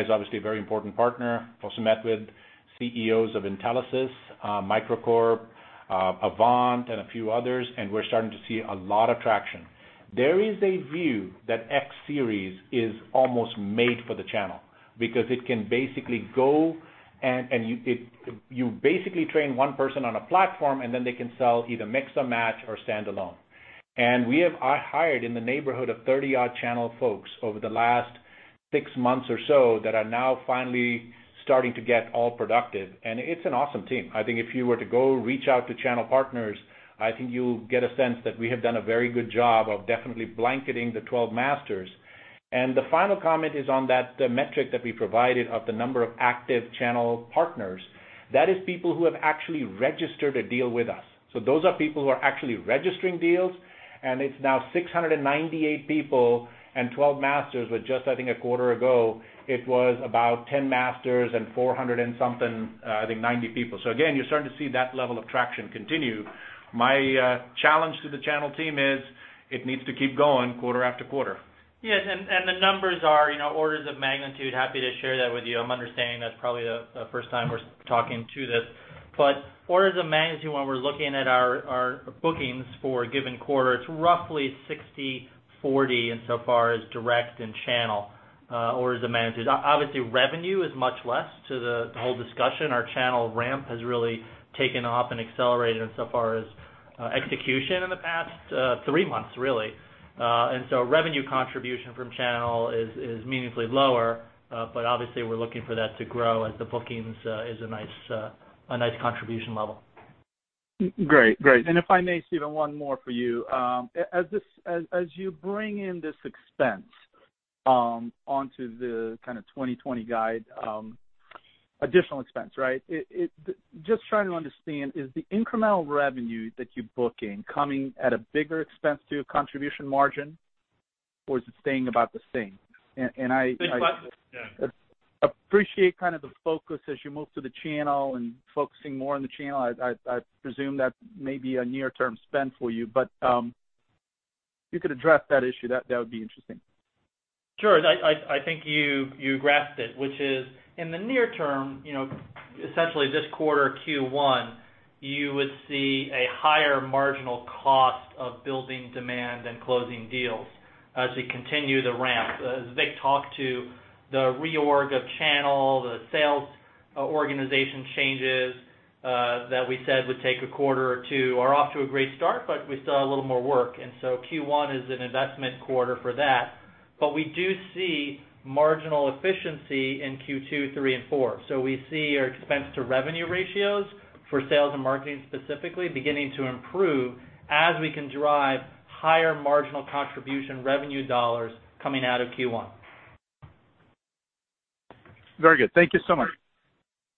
is obviously a very important partner, [Also met with], CEOs of Intelisys, MicroCorp, AVANT, and a few others, and we're starting to see a lot of traction. There is a view that X Series is almost made for the channel because it can basically go and you basically train one person on a platform, and then they can sell either mix and match or standalone. We have hired in the neighborhood of 30 odd channel folks over the last 6 months or so that are now finally starting to get all productive. It's an awesome team. I think if you were to go reach out to channel partners, I think you'll get a sense that we have done a very good job of definitely blanketing the 12 masters. The final comment is on that metric that we provided of the number of active channel partners. That is people who have actually registered a deal with us. Those are people who are actually registering deals, and it's now 698 people and 12 masters with just, I think a quarter ago, it was about 10 masters and 400 and something, I think 90 people. Again, you're starting to see that level of traction continue. My challenge to the channel team is it needs to keep going quarter after quarter. Yes. The numbers are orders of magnitude. Happy to share that with you. I'm understanding that's probably the first time we're talking to this. Orders of magnitude when we're looking at our bookings for a given quarter, it's roughly 60/40 insofar as direct and channel orders of magnitude. Obviously, revenue is much less to the whole discussion. Our channel ramp has really taken off and accelerated insofar as execution in the past 3 months, really. Revenue contribution from channel is meaningfully lower. Obviously, we're looking for that to grow as the bookings is a nice contribution level. Great. If I may, Steven, one more for you. As you bring in this expense onto the kind of 2020 guide, additional expense, right? Just trying to understand, is the incremental revenue that you're booking coming at a bigger expense to your contribution margin, or is it staying about the same? Stay about the same. Appreciate kind of the focus as you move to the channel and focusing more on the channel. I presume that may be a near-term spend for you. If you could address that issue, that would be interesting. Sure. I think you grasped it, which is in the near term, essentially this quarter, Q1, you would see a higher marginal cost of building demand and closing deals as we continue the ramp. As Vik talked to the reorg of channel, the sales organization changes that we said would take a quarter or two are off to a great start, but we still have a little more work. Q1 is an investment quarter for that. We do see marginal efficiency in Q2, three, and four. We see our expense to revenue ratios for sales and marketing, specifically, beginning to improve as we can drive higher marginal contribution revenue dollars coming out of Q1. Very good. Thank you so much.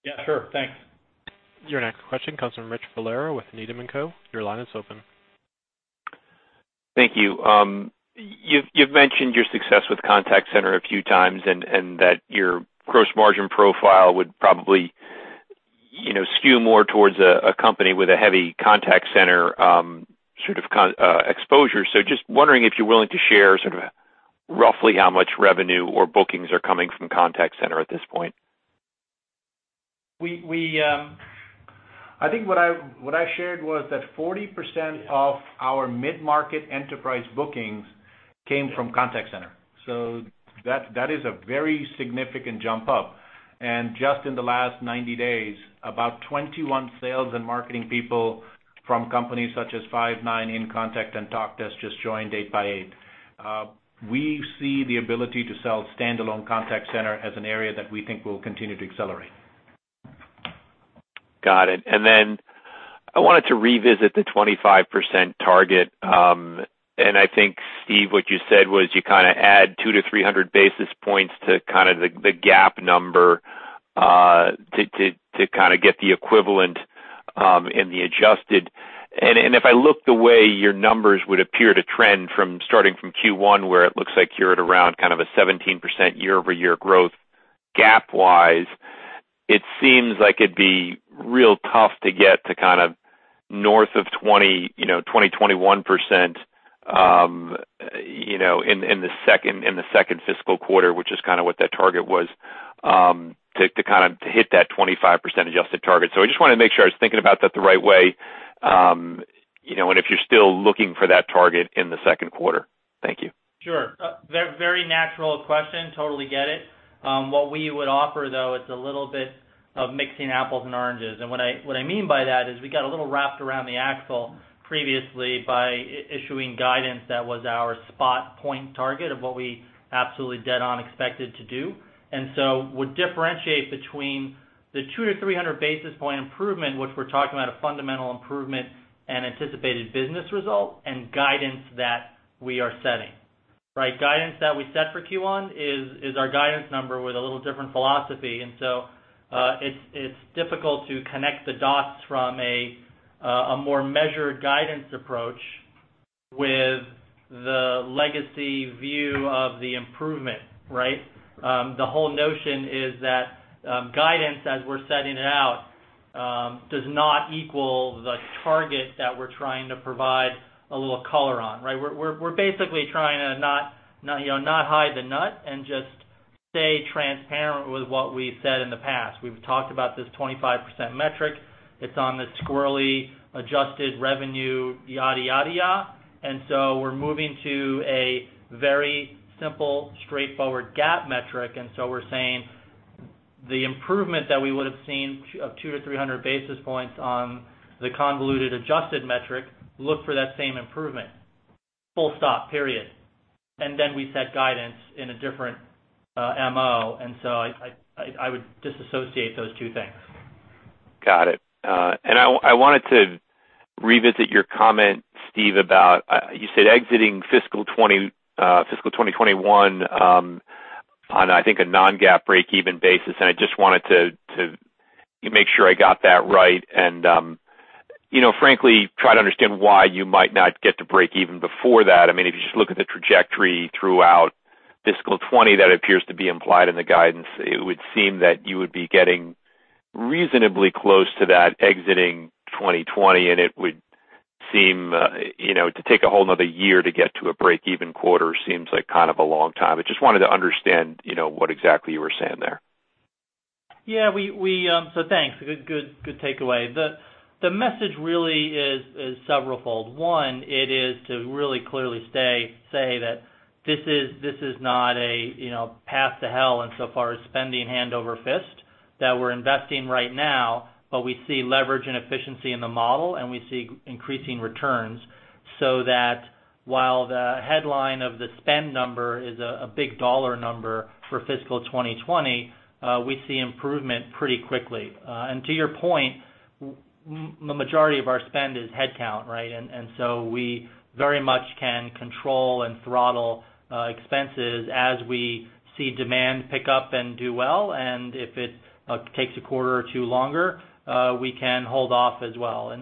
Yeah, sure. Thanks. Your next question comes from Rich Valera with Needham & Co. Your line is open. Thank you. You've mentioned your success with contact center a few times and that your gross margin profile would probably skew more towards a company with a heavy contact center sort of exposure. Just wondering if you're willing to share sort of roughly how much revenue or bookings are coming from contact center at this point. I think what I shared was that 40% of our mid-market enterprise bookings came from contact center. That is a very significant jump up. Just in the last 90 days, about 21 sales and marketing people from companies such as Five9, InContact, and Talkdesk just joined 8x8. We see the ability to sell standalone contact center as an area that we think will continue to accelerate. Got it. Then I wanted to revisit the 25% target. I think, Steve, what you said was you kind of add 200 to 300 basis points to kind of the GAAP number to kind of get the equivalent in the adjusted. If I look the way your numbers would appear to trend from starting from Q1 where it looks like you're at around kind of a 17% year-over-year growth GAAP wise, it seems like it'd be real tough to get to kind of north of 20%-21% in the second fiscal quarter, which is kind of what that target was to hit that 25% adjusted target. I just wanted to make sure I was thinking about that the right way, and if you're still looking for that target in the second quarter. Thank you. Sure. Very natural question. Totally get it. What we would offer, though, it's a little bit of mixing apples and oranges. What I mean by that is we got a little wrapped around the axle previously by issuing guidance that was our spot point target of what we absolutely dead-on expected to do. Would differentiate between the 200 to 300 basis point improvement, which we're talking about a fundamental improvement and anticipated business result, and guidance that we are setting. Right? Guidance that we set for Q1 is our guidance number with a little different philosophy. It's difficult to connect the dots from a more measured guidance approach with the legacy view of the improvement. Right? The whole notion is that guidance, as we're setting it out, does not equal the target that we're trying to provide a little color on. Right? We're basically trying to not hide the nut and just stay transparent with what we've said in the past. We've talked about this 25% metric. It's on the squirrely adjusted revenue, yada, yada. We're moving to a very simple, straightforward GAAP metric. We're saying the improvement that we would've seen of 200 to 300 basis points on the convoluted adjusted metric, look for that same improvement, full stop, period. We set guidance in a different MO. I would disassociate those two things. Got it. I wanted to revisit your comment, Steve, about, you said exiting FY 2021 on, I think, a non-GAAP breakeven basis. I just wanted to make sure I got that right and, frankly, try to understand why you might not get to breakeven before that. If you just look at the trajectory throughout FY 2020, that appears to be implied in the guidance. It would seem that you would be getting reasonably close to that exiting 2020, and it would seem to take a whole another year to get to a breakeven quarter seems like kind of a long time. I just wanted to understand what exactly you were saying there. Yeah. Thanks. Good takeaway. The message really is several-fold. One, it is to really clearly say that this is not a path to hell insofar as spending hand over fist, that we're investing right now, but we see leverage and efficiency in the model, and we see increasing returns, so that while the headline of the spend number is a big dollar number for FY 2020, we see improvement pretty quickly. To your point, the majority of our spend is headcount, right. We very much can control and throttle expenses as we see demand pick up and do well. If it takes a quarter or two longer, we can hold off as well.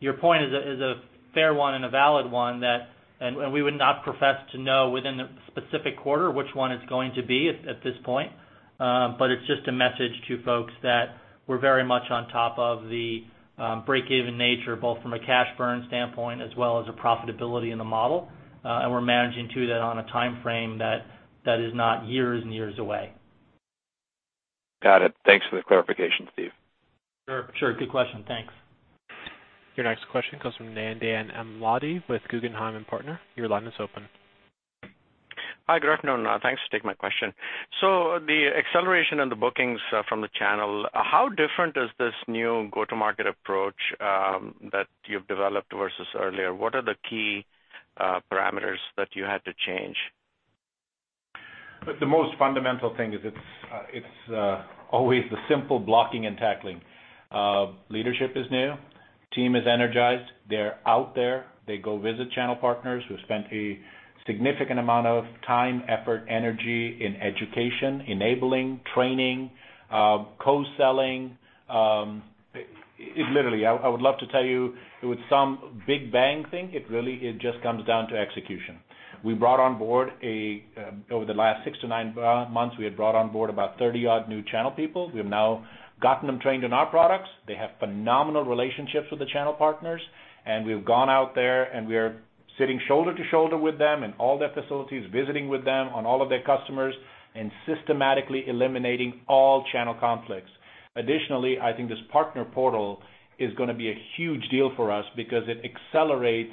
Your point is a fair one and a valid one. We would not profess to know within the specific quarter which one it's going to be at this point. It's just a message to folks that we're very much on top of the breakeven nature, both from a cash burn standpoint as well as a profitability in the model. We're managing to that on a timeframe that is not years and years away. Got it. Thanks for the clarification, Steve. Sure. Good question. Thanks. Your next question comes from Nandan Mody with Guggenheim Partners. Your line is open. Hi, good afternoon. Thanks for taking my question. The acceleration in the bookings from the channel, how different is this new go-to-market approach that you've developed versus earlier? What are the key parameters that you had to change? Look, the most fundamental thing is it's always the simple blocking and tackling. Leadership is new. Team is energized. They're out there. They go visit channel partners. We've spent a significant amount of time, effort, energy in education, enabling, training, co-selling. Literally, I would love to tell you it was some big bang thing. It really just comes down to execution. Over the last six to nine months, we had brought on board about 30-odd new channel people. We have now gotten them trained on our products. They have phenomenal relationships with the channel partners, and we've gone out there, and we are sitting shoulder to shoulder with them in all their facilities, visiting with them on all of their customers and systematically eliminating all channel conflicts. I think this partner portal is going to be a huge deal for us because it accelerates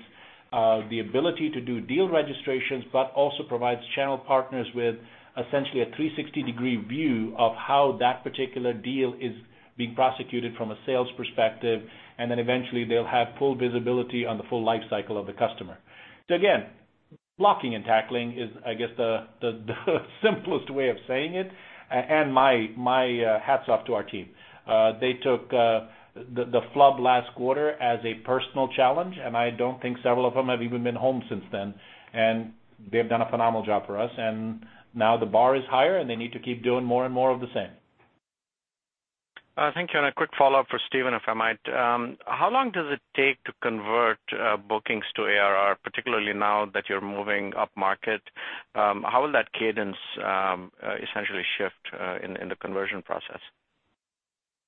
the ability to do deal registrations, but also provides channel partners with essentially a 360-degree view of how that particular deal is being prosecuted from a sales perspective, and then eventually they'll have full visibility on the full life cycle of the customer. Again, blocking and tackling is, I guess, the simplest way of saying it. My hats off to our team. They took the flub last quarter as a personal challenge, I don't think several of them have even been home since then. They've done a phenomenal job for us. Now the bar is higher, and they need to keep doing more and more of the same. Thank you. A quick follow-up for Steven, if I might. How long does it take to convert bookings to ARR, particularly now that you're moving up market? How will that cadence essentially shift in the conversion process?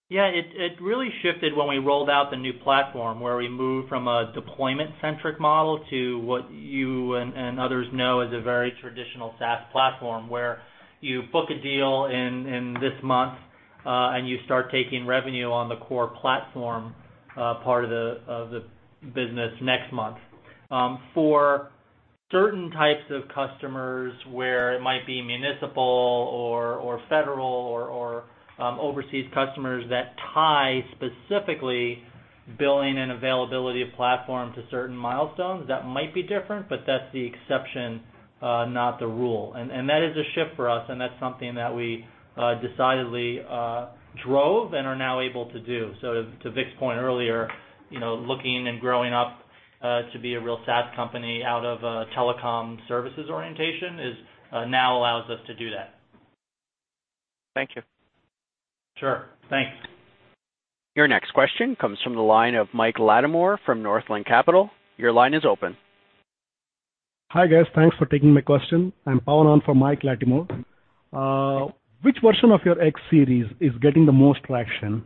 Yeah. It really shifted when we rolled out the new platform, where we moved from a deployment-centric model to what you and others know as a very traditional SaaS platform, where you book a deal in this month, and you start taking revenue on the core platform, part of the business next month. For certain types of customers where it might be municipal or federal or overseas customers that tie specifically billing and availability of platform to certain milestones, that might be different, but that's the exception, not the rule. That is a shift for us, and that's something that we decidedly drove and are now able to do. To Vik's point earlier, looking and growing up to be a real SaaS company out of a telecom services orientation now allows us to do that. Thank you. Sure. Thanks. Your next question comes from the line of Michael Latimore from Northland Capital Markets. Your line is open. Hi, guys. Thanks for taking my question. I'm Pawan from Michael Latimore. Which version of your X Series is getting the most traction?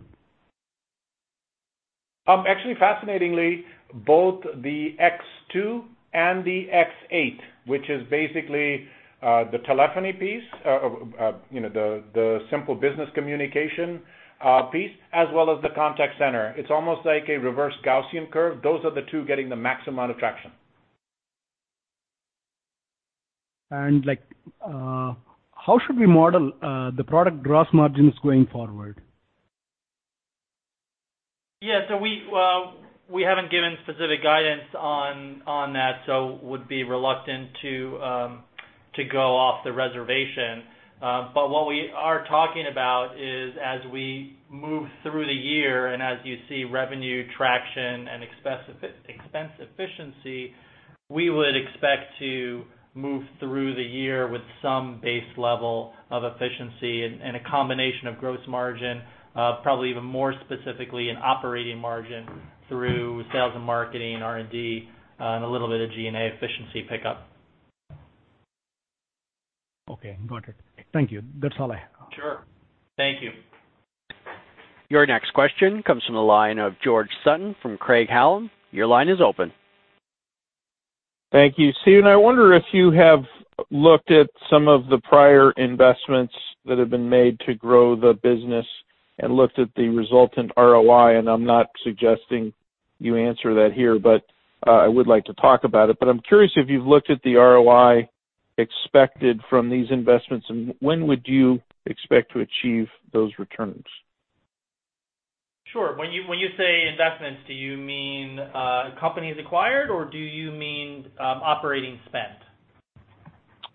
Actually, fascinatingly, both the X2 and the X8, which is basically the telephony piece, the simple business communication piece, as well as the contact center. It's almost like a reverse Gaussian curve. Those are the two getting the maximum amount of traction. How should we model the product gross margins going forward? Yeah. We haven't given specific guidance on that, so would be reluctant to go off the reservation. What we are talking about is as we move through the year and as you see revenue traction and expense efficiency, we would expect to move through the year with some base level of efficiency and a combination of gross margin, probably even more specifically in operating margin through sales and marketing, R&D, and a little bit of G&A efficiency pickup. Okay, got it. Thank you. That's all I have. Sure. Thank you. Your next question comes from the line of George Sutton from Craig-Hallum. Your line is open. Thank you. Steve, I wonder if you have looked at some of the prior investments that have been made to grow the business and looked at the resultant ROI. I'm not suggesting you answer that here, but I would like to talk about it. I'm curious if you've looked at the ROI expected from these investments, and when would you expect to achieve those returns? Sure. When you say investments, do you mean companies acquired or do you mean operating spend?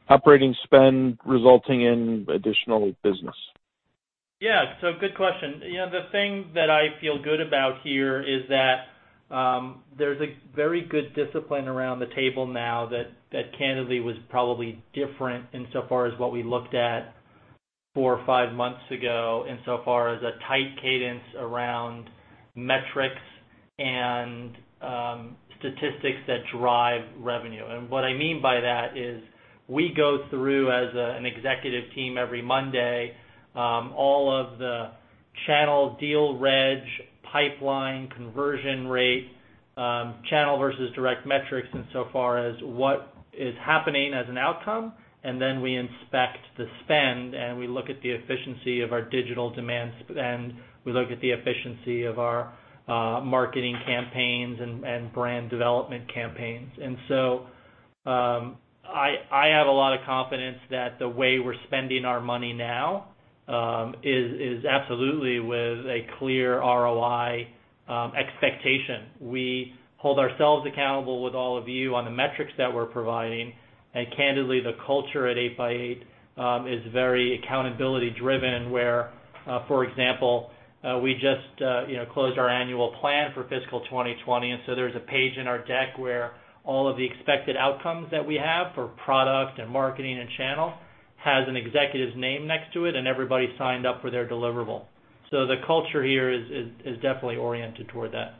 Operating spend resulting in additional business. Yeah. Good question. The thing that I feel good about here is that there's a very good discipline around the table now that candidly was probably different in so far as what we looked at four or five months ago, in so far as a tight cadence around metrics and statistics that drive revenue. What I mean by that is we go through as an executive team every Monday, all of the channel deal reg, pipeline conversion rate, channel versus direct metrics in so far as what is happening as an outcome, then we inspect the spend and we look at the efficiency of our digital demand spend, we look at the efficiency of our marketing campaigns and brand development campaigns. I have a lot of confidence that the way we're spending our money now is absolutely with a clear ROI expectation. We hold ourselves accountable with all of you on the metrics that we're providing. Candidly, the culture at 8x8 is very accountability-driven where, for example, we just closed our annual plan for fiscal 2020. There's a page in our deck where all of the expected outcomes that we have for product and marketing and channel has an executive's name next to it and everybody signed up for their deliverable. The culture here is definitely oriented toward that.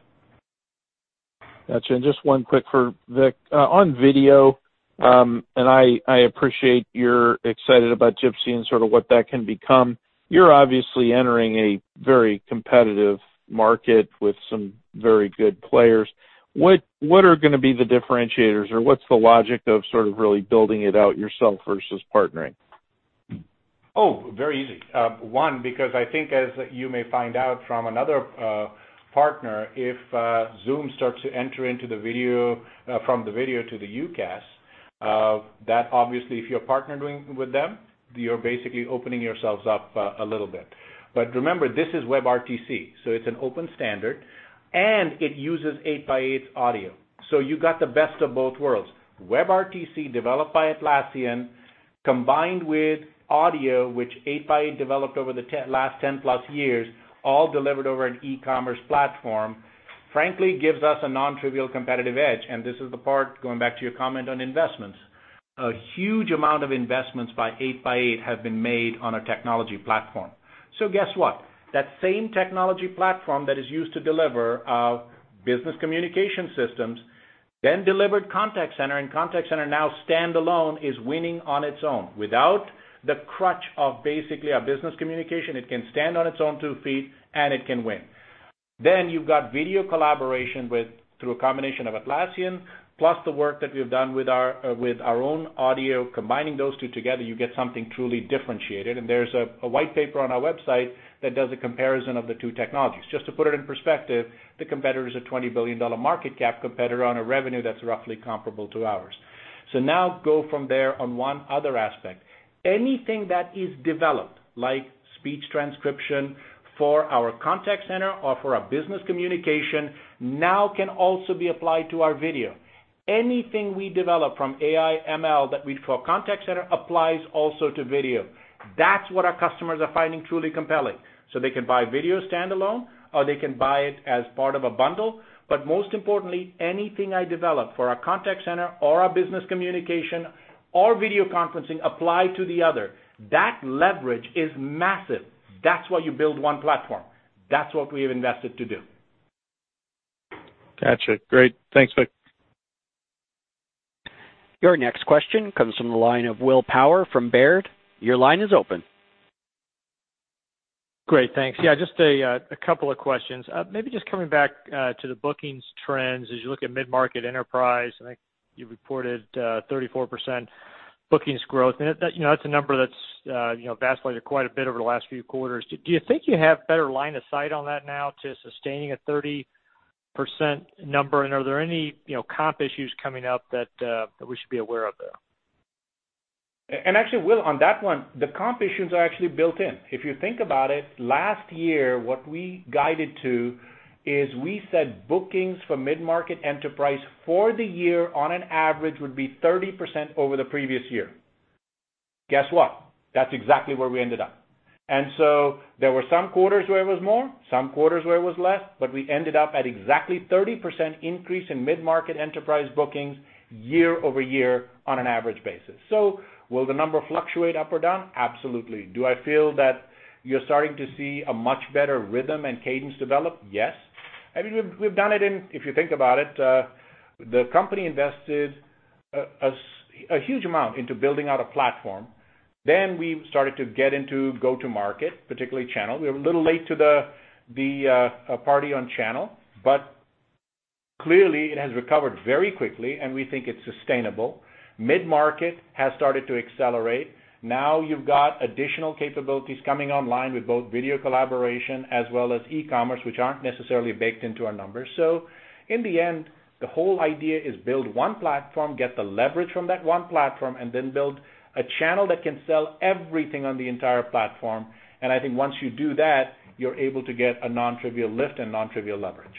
Got you. Just one quick for Vik. On video, I appreciate you're excited about Jitsi and sort of what that can become. You're obviously entering a very competitive market with some very good players. What are gonna be the differentiators or what's the logic of sort of really building it out yourself versus partnering? Very easy. I think as you may find out from another partner, if Zoom starts to enter into the video from the video to the UCaaS, that obviously if you're partnering with them, you're basically opening yourselves up a little bit. Remember, this is WebRTC, so it's an open standard, and it uses 8x8's audio. You got the best of both worlds. WebRTC developed by Atlassian combined with audio which 8x8 developed over the last 10 plus years, all delivered over an e-commerce platform, frankly gives us a non-trivial competitive edge. This is the part, going back to your comment on investments. A huge amount of investments by 8x8 have been made on a technology platform. Guess what? That same technology platform that is used to deliver our business communication systemsThen delivered contact center, and contact center now standalone is winning on its own without the crutch of basically our business communication. It can stand on its own two feet and it can win. You've got video collaboration through a combination of Atlassian, plus the work that we've done with our own audio. Combining those two together, you get something truly differentiated, and there's a white paper on our website that does a comparison of the two technologies. Just to put it in perspective, the competitor is a $20 billion market cap competitor on a revenue that's roughly comparable to ours. Now go from there on one other aspect. Anything that is developed, like speech transcription for our contact center or for our business communication, now can also be applied to our video. Anything we develop from AI, ML for our contact center applies also to video. That's what our customers are finding truly compelling. They can buy video standalone or they can buy it as part of a bundle. Most importantly, anything I develop for our contact center or our business communication or video conferencing apply to the other. That leverage is massive. That's why you build one platform. That's what we've invested to do. Got you. Great. Thanks, Vik. Your next question comes from the line of William Power from Baird. Your line is open. Great. Thanks. Yeah, just a couple of questions. Maybe just coming back to the bookings trends as you look at mid-market enterprise, I think you reported 34% bookings growth, and that's a number that's vacillated quite a bit over the last few quarters. Do you think you have better line of sight on that now to sustaining a 30% number? Are there any comp issues coming up that we should be aware of there? Actually, Will, on that one, the comp issues are actually built in. If you think about it, last year, what we guided to is we said bookings for mid-market enterprise for the year on an average would be 30% over the previous year. Guess what? That's exactly where we ended up. There were some quarters where it was more, some quarters where it was less, but we ended up at exactly 30% increase in mid-market enterprise bookings year-over-year on an average basis. Will the number fluctuate up or down? Absolutely. Do I feel that you're starting to see a much better rhythm and cadence develop? Yes. I mean, we've done it in, if you think about it, the company invested a huge amount into building out a platform. We started to get into go to market, particularly channel. We were a little late to the party on channel, but clearly it has recovered very quickly, and we think it's sustainable. Mid-market has started to accelerate. You've got additional capabilities coming online with both video collaboration as well as e-commerce, which aren't necessarily baked into our numbers. In the end, the whole idea is build one platform, get the leverage from that one platform, build a channel that can sell everything on the entire platform. I think once you do that, you're able to get a non-trivial lift and non-trivial leverage.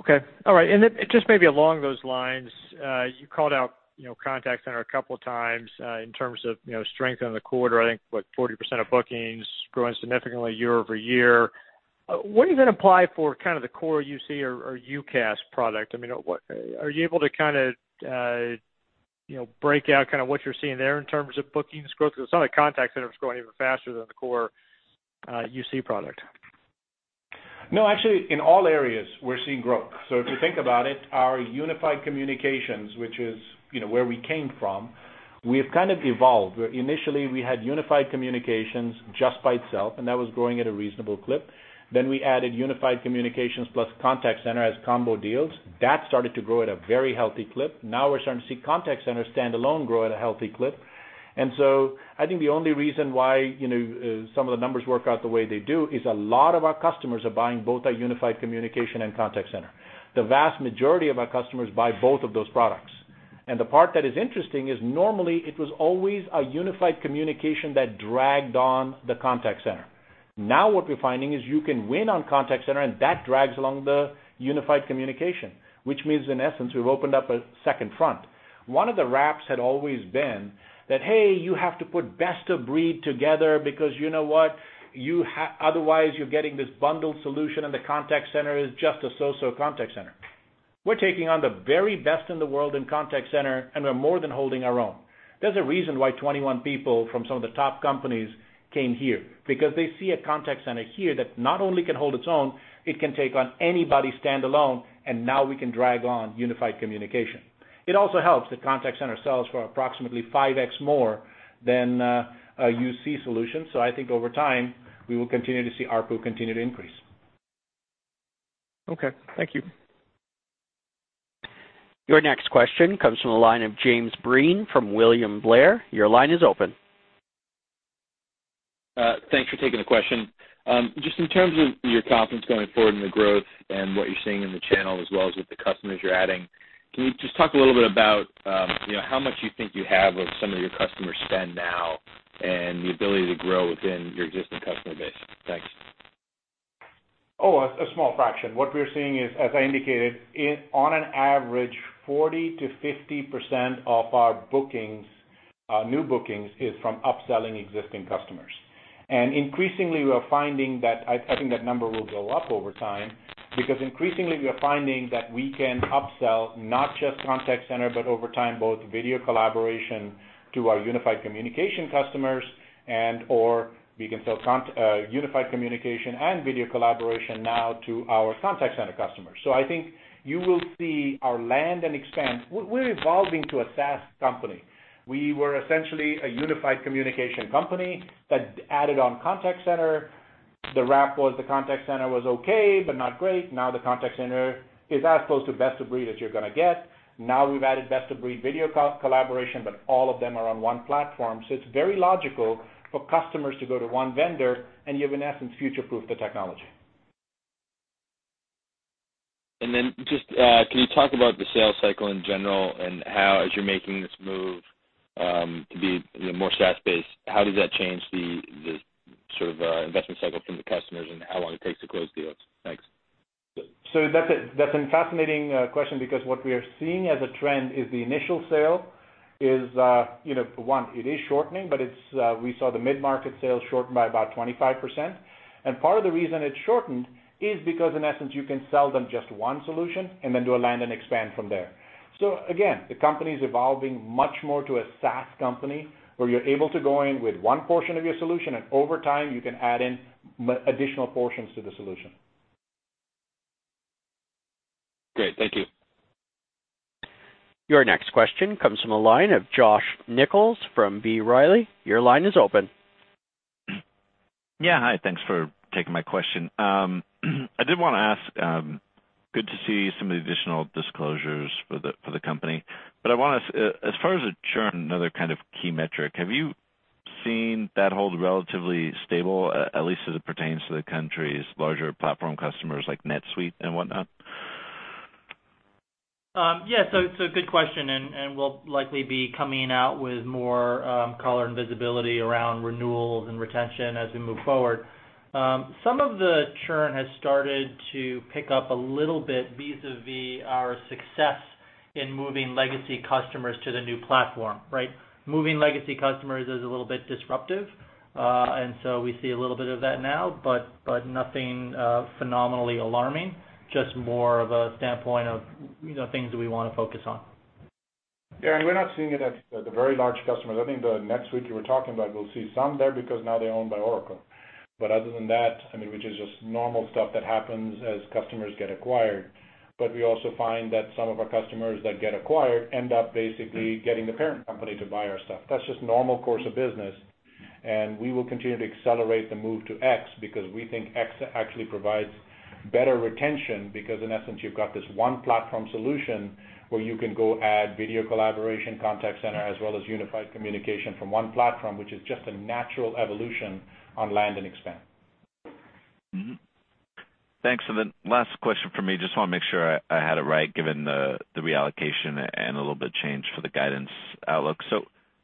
Okay. All right. Just maybe along those lines, you called out contact center a couple of times, in terms of strength in the quarter, I think 40% of bookings growing significantly year-over-year. Where does that apply for the core UC or UCaaS product? Are you able to break out what you're seeing there in terms of bookings growth? Because it sounds like contact center is growing even faster than the core UC product. No, actually, in all areas, we're seeing growth. If you think about it, our unified communications, which is where we came from, we've kind of evolved, where initially we had unified communications just by itself, and that was growing at a reasonable clip. We added unified communications plus contact center as combo deals. That started to grow at a very healthy clip. Now we're starting to see contact center standalone grow at a healthy clip. I think the only reason why some of the numbers work out the way they do is a lot of our customers are buying both our unified communication and contact center. The vast majority of our customers buy both of those products. The part that is interesting is normally it was always a unified communication that dragged on the contact center. Now what we're finding is you can win on contact center and that drags along the unified communication, which means in essence, we've opened up a second front. One of the raps had always been that, "Hey, you have to put best of breed together because you know what? Otherwise, you're getting this bundled solution and the contact center is just a so-so contact center." We're taking on the very best in the world in contact center, and we're more than holding our own. There's a reason why 21 people from some of the top companies came here because they see a contact center here that not only can hold its own, it can take on anybody standalone, and now we can drag on unified communication. It also helps that contact center sells for approximately 5x more than a UC solution. I think over time, we will continue to see ARPU continue to increase. Okay. Thank you. Your next question comes from the line of James Breen from William Blair. Your line is open. Thanks for taking the question. In terms of your confidence going forward in the growth and what you're seeing in the channel as well as with the customers you're adding, can you just talk a little bit about how much you think you have of some of your customer spend now and the ability to grow within your existing customer base? Thanks. A small fraction. What we're seeing is, as I indicated, on an average, 40%-50% of our new bookings is from upselling existing customers. Increasingly, we are finding that I think that number will go up over time, because increasingly, we are finding that we can upsell not just contact center, but over time, both video collaboration to our unified communication customers and/or we can sell unified communication and video collaboration now to our contact center customers. I think you will see our land and expand. We're evolving to a SaaS company. We were essentially a unified communication company that added on contact center. The wrap was the contact center was okay, but not great. Now the contact center is as close to best-of-breed as you're going to get. Now we've added best-of-breed video collaboration, but all of them are on one platform. It's very logical for customers to go to one vendor, and you, in essence, future-proof the technology. Can you talk about the sales cycle in general and how, as you're making this move to be more SaaS-based, how does that change the sort of investment cycle from the customers and how long it takes to close deals? Thanks. That's a fascinating question because what we are seeing as a trend is the initial sale is, one, it is shortening, but we saw the mid-market sales shorten by about 25%. Part of the reason it shortened is because, in essence, you can sell them just one solution and then do a land and expand from there. Again, the company's evolving much more to a SaaS company, where you're able to go in with one portion of your solution, and over time, you can add in additional portions to the solution. Great. Thank you. Your next question comes from the line of Josh Nichols from B. Riley. Your line is open. Hi, thanks for taking my question. I did want to ask, good to see some of the additional disclosures for the company. I want to, as far as the churn, another kind of key metric, have you seen that hold relatively stable, at least as it pertains to the company's larger platform customers like NetSuite and whatnot? It is a good question, and we will likely be coming out with more color and visibility around renewals and retention as we move forward. Some of the churn has started to pick up a little bit vis-a-vis our success in moving legacy customers to the new platform, right? Moving legacy customers is a little bit disruptive. We see a little bit of that now, nothing phenomenally alarming, just more of a standpoint of things that we want to focus on. We are not seeing it at the very large customers. I think the NetSuite you were talking about, we will see some there because now they are owned by Oracle. Other than that, which is just normal stuff that happens as customers get acquired. We also find that some of our customers that get acquired end up basically getting the parent company to buy our stuff. That is just normal course of business, and we will continue to accelerate the move to X because we think X actually provides better retention because, in essence, you have got this one platform solution where you can go add video collaboration, contact center, as well as unified communication from one platform, which is just a natural evolution on land and expand. Mm-hmm. Thanks. Last question from me. Just want to make sure I had it right, given the reallocation and a little bit change for the guidance outlook.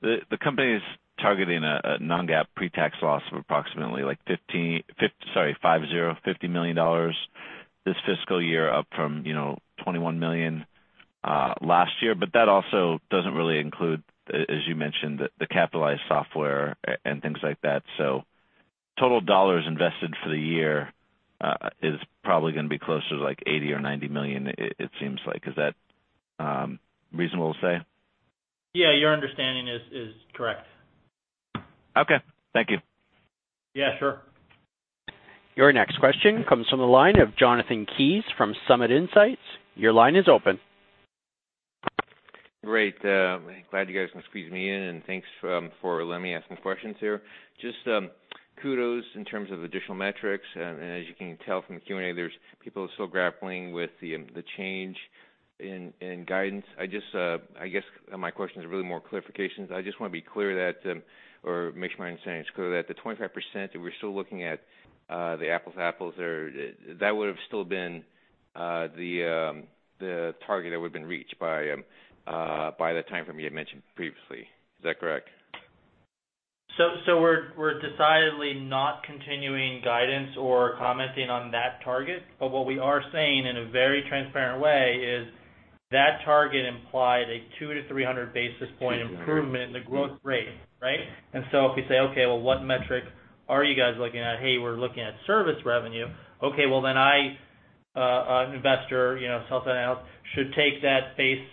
The company is targeting a non-GAAP pretax loss of approximately like $50 million this fiscal year, up from $21 million last year. That also does not really include, as you mentioned, the capitalized software and things like that. Total dollars invested for the year is probably going to be closer to $80 million or $90 million, it seems like. Is that reasonable to say? Yeah, your understanding is correct. Okay. Thank you. Yeah, sure. Your next question comes from the line of Jonathan Kees from Summit Insights. Your line is open. Great. Glad you guys can squeeze me in. Thanks for letting me ask some questions here. Just kudos in terms of additional metrics. As you can tell from the Q&A, there's people still grappling with the change in guidance. I guess my question is really more clarifications. I just want to be clear that, or make sure my understanding is clear that the 25% that we're still looking at, the apples to apples there, that would've still been the target that would've been reached by the time frame you had mentioned previously. Is that correct? We're decidedly not continuing guidance or commenting on that target. What we are saying in a very transparent way is that target implied a 200 to 300 basis point improvement in the growth rate, right? If you say, "Okay, well, what metric are you guys looking at?" "Hey, we're looking at service revenue." Okay, well, then I, an investor, self analysis, should take that base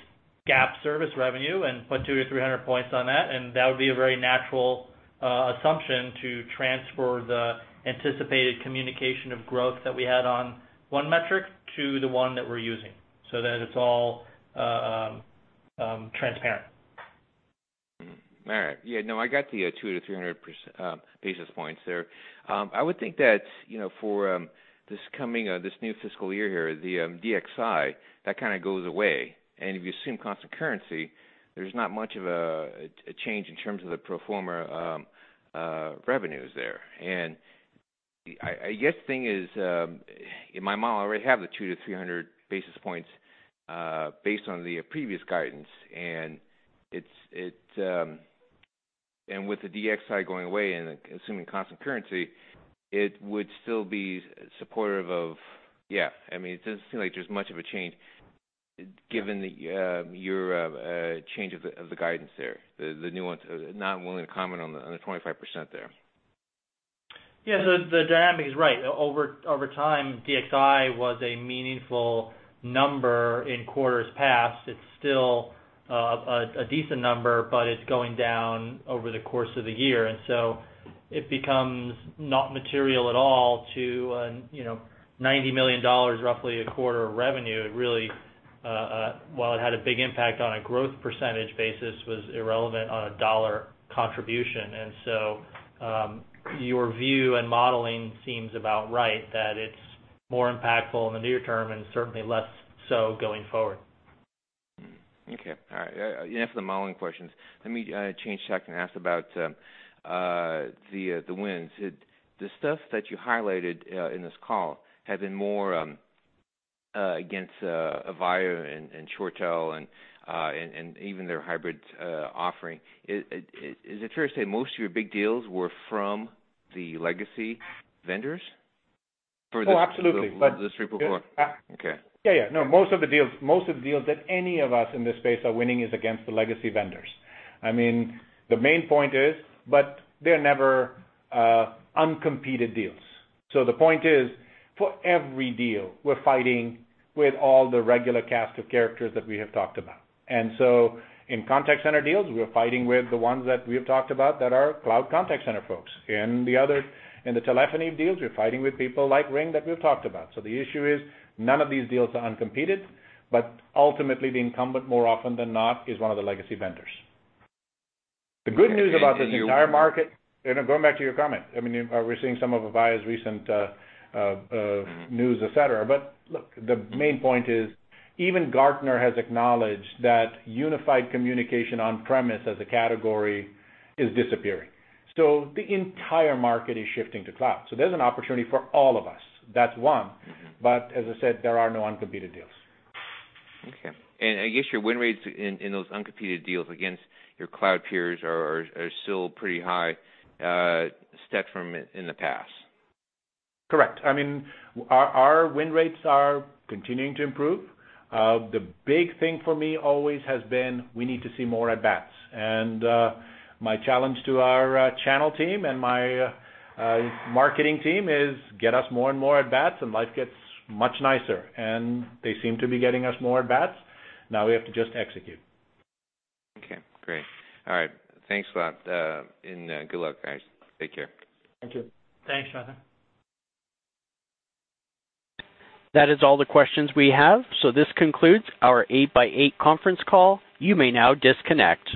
GAAP service revenue and put 200 to 300 points on that. That would be a very natural assumption to transfer the anticipated communication of growth that we had on one metric to the one that we're using, so that it's all transparent. All right. Yeah, no, I got the 200 to 300 basis points there. I would think that for this new fiscal year here, the DXI, that kind of goes away. If you assume constant currency, there's not much of a change in terms of the pro forma revenues there. I guess the thing is, in my model, I already have the 200 to 300 basis points, based on the previous guidance. With the DXI going away and assuming constant currency, it would still be supportive of. Yeah, it doesn't seem like there's much of a change. Given your change of the guidance there, the nuance, not willing to comment on the 25% there. Yeah, the dynamic is right. Over time, DXI was a meaningful number in quarters past. It's still a decent number, but it's going down over the course of the year. It becomes not material at all to $90 million, roughly a quarter of revenue. It really, while it had a big impact on a growth percentage basis, was irrelevant on a dollar contribution. Your view and modeling seems about right, that it's more impactful in the near term and certainly less so going forward. Okay. All right. Enough of the modeling questions. Let me change tack and ask about the wins. The stuff that you highlighted in this call has been more against Avaya and ShoreTel and even their hybrid offering. Is it fair to say most of your big deals were from the legacy vendors? Oh, absolutely. The three before. Okay. Yeah. No, most of the deals that any of us in this space are winning is against the legacy vendors. I mean, the main point is, they're never uncompeted deals. The point is, for every deal, we're fighting with all the regular cast of characters that we have talked about. In contact center deals, we are fighting with the ones that we've talked about that are cloud contact center folks. In the telephony deals, we're fighting with people like RingCentral that we've talked about. The issue is none of these deals are uncompeted, but ultimately, the incumbent, more often than not, is one of the legacy vendors. The good news about this entire market, and going back to your comment, I mean, we're seeing some of Avaya's recent news, et cetera. Look, the main point is even Gartner has acknowledged that unified communication on-premise as a category is disappearing. The entire market is shifting to cloud. There's an opportunity for all of us. That's one. As I said, there are no uncompeted deals. Okay. I guess your win rates in those uncompeted deals against your cloud peers are still pretty high, a step from in the past. Correct. I mean, our win rates are continuing to improve. The big thing for me always has been we need to see more at-bats. My challenge to our channel team and my marketing team is get us more and more at-bats, and life gets much nicer, and they seem to be getting us more at-bats. Now we have to just execute. Okay, great. All right. Thanks a lot and good luck, guys. Take care. Thank you. Thanks, Jonathan. That is all the questions we have. This concludes our 8x8 conference call. You may now disconnect.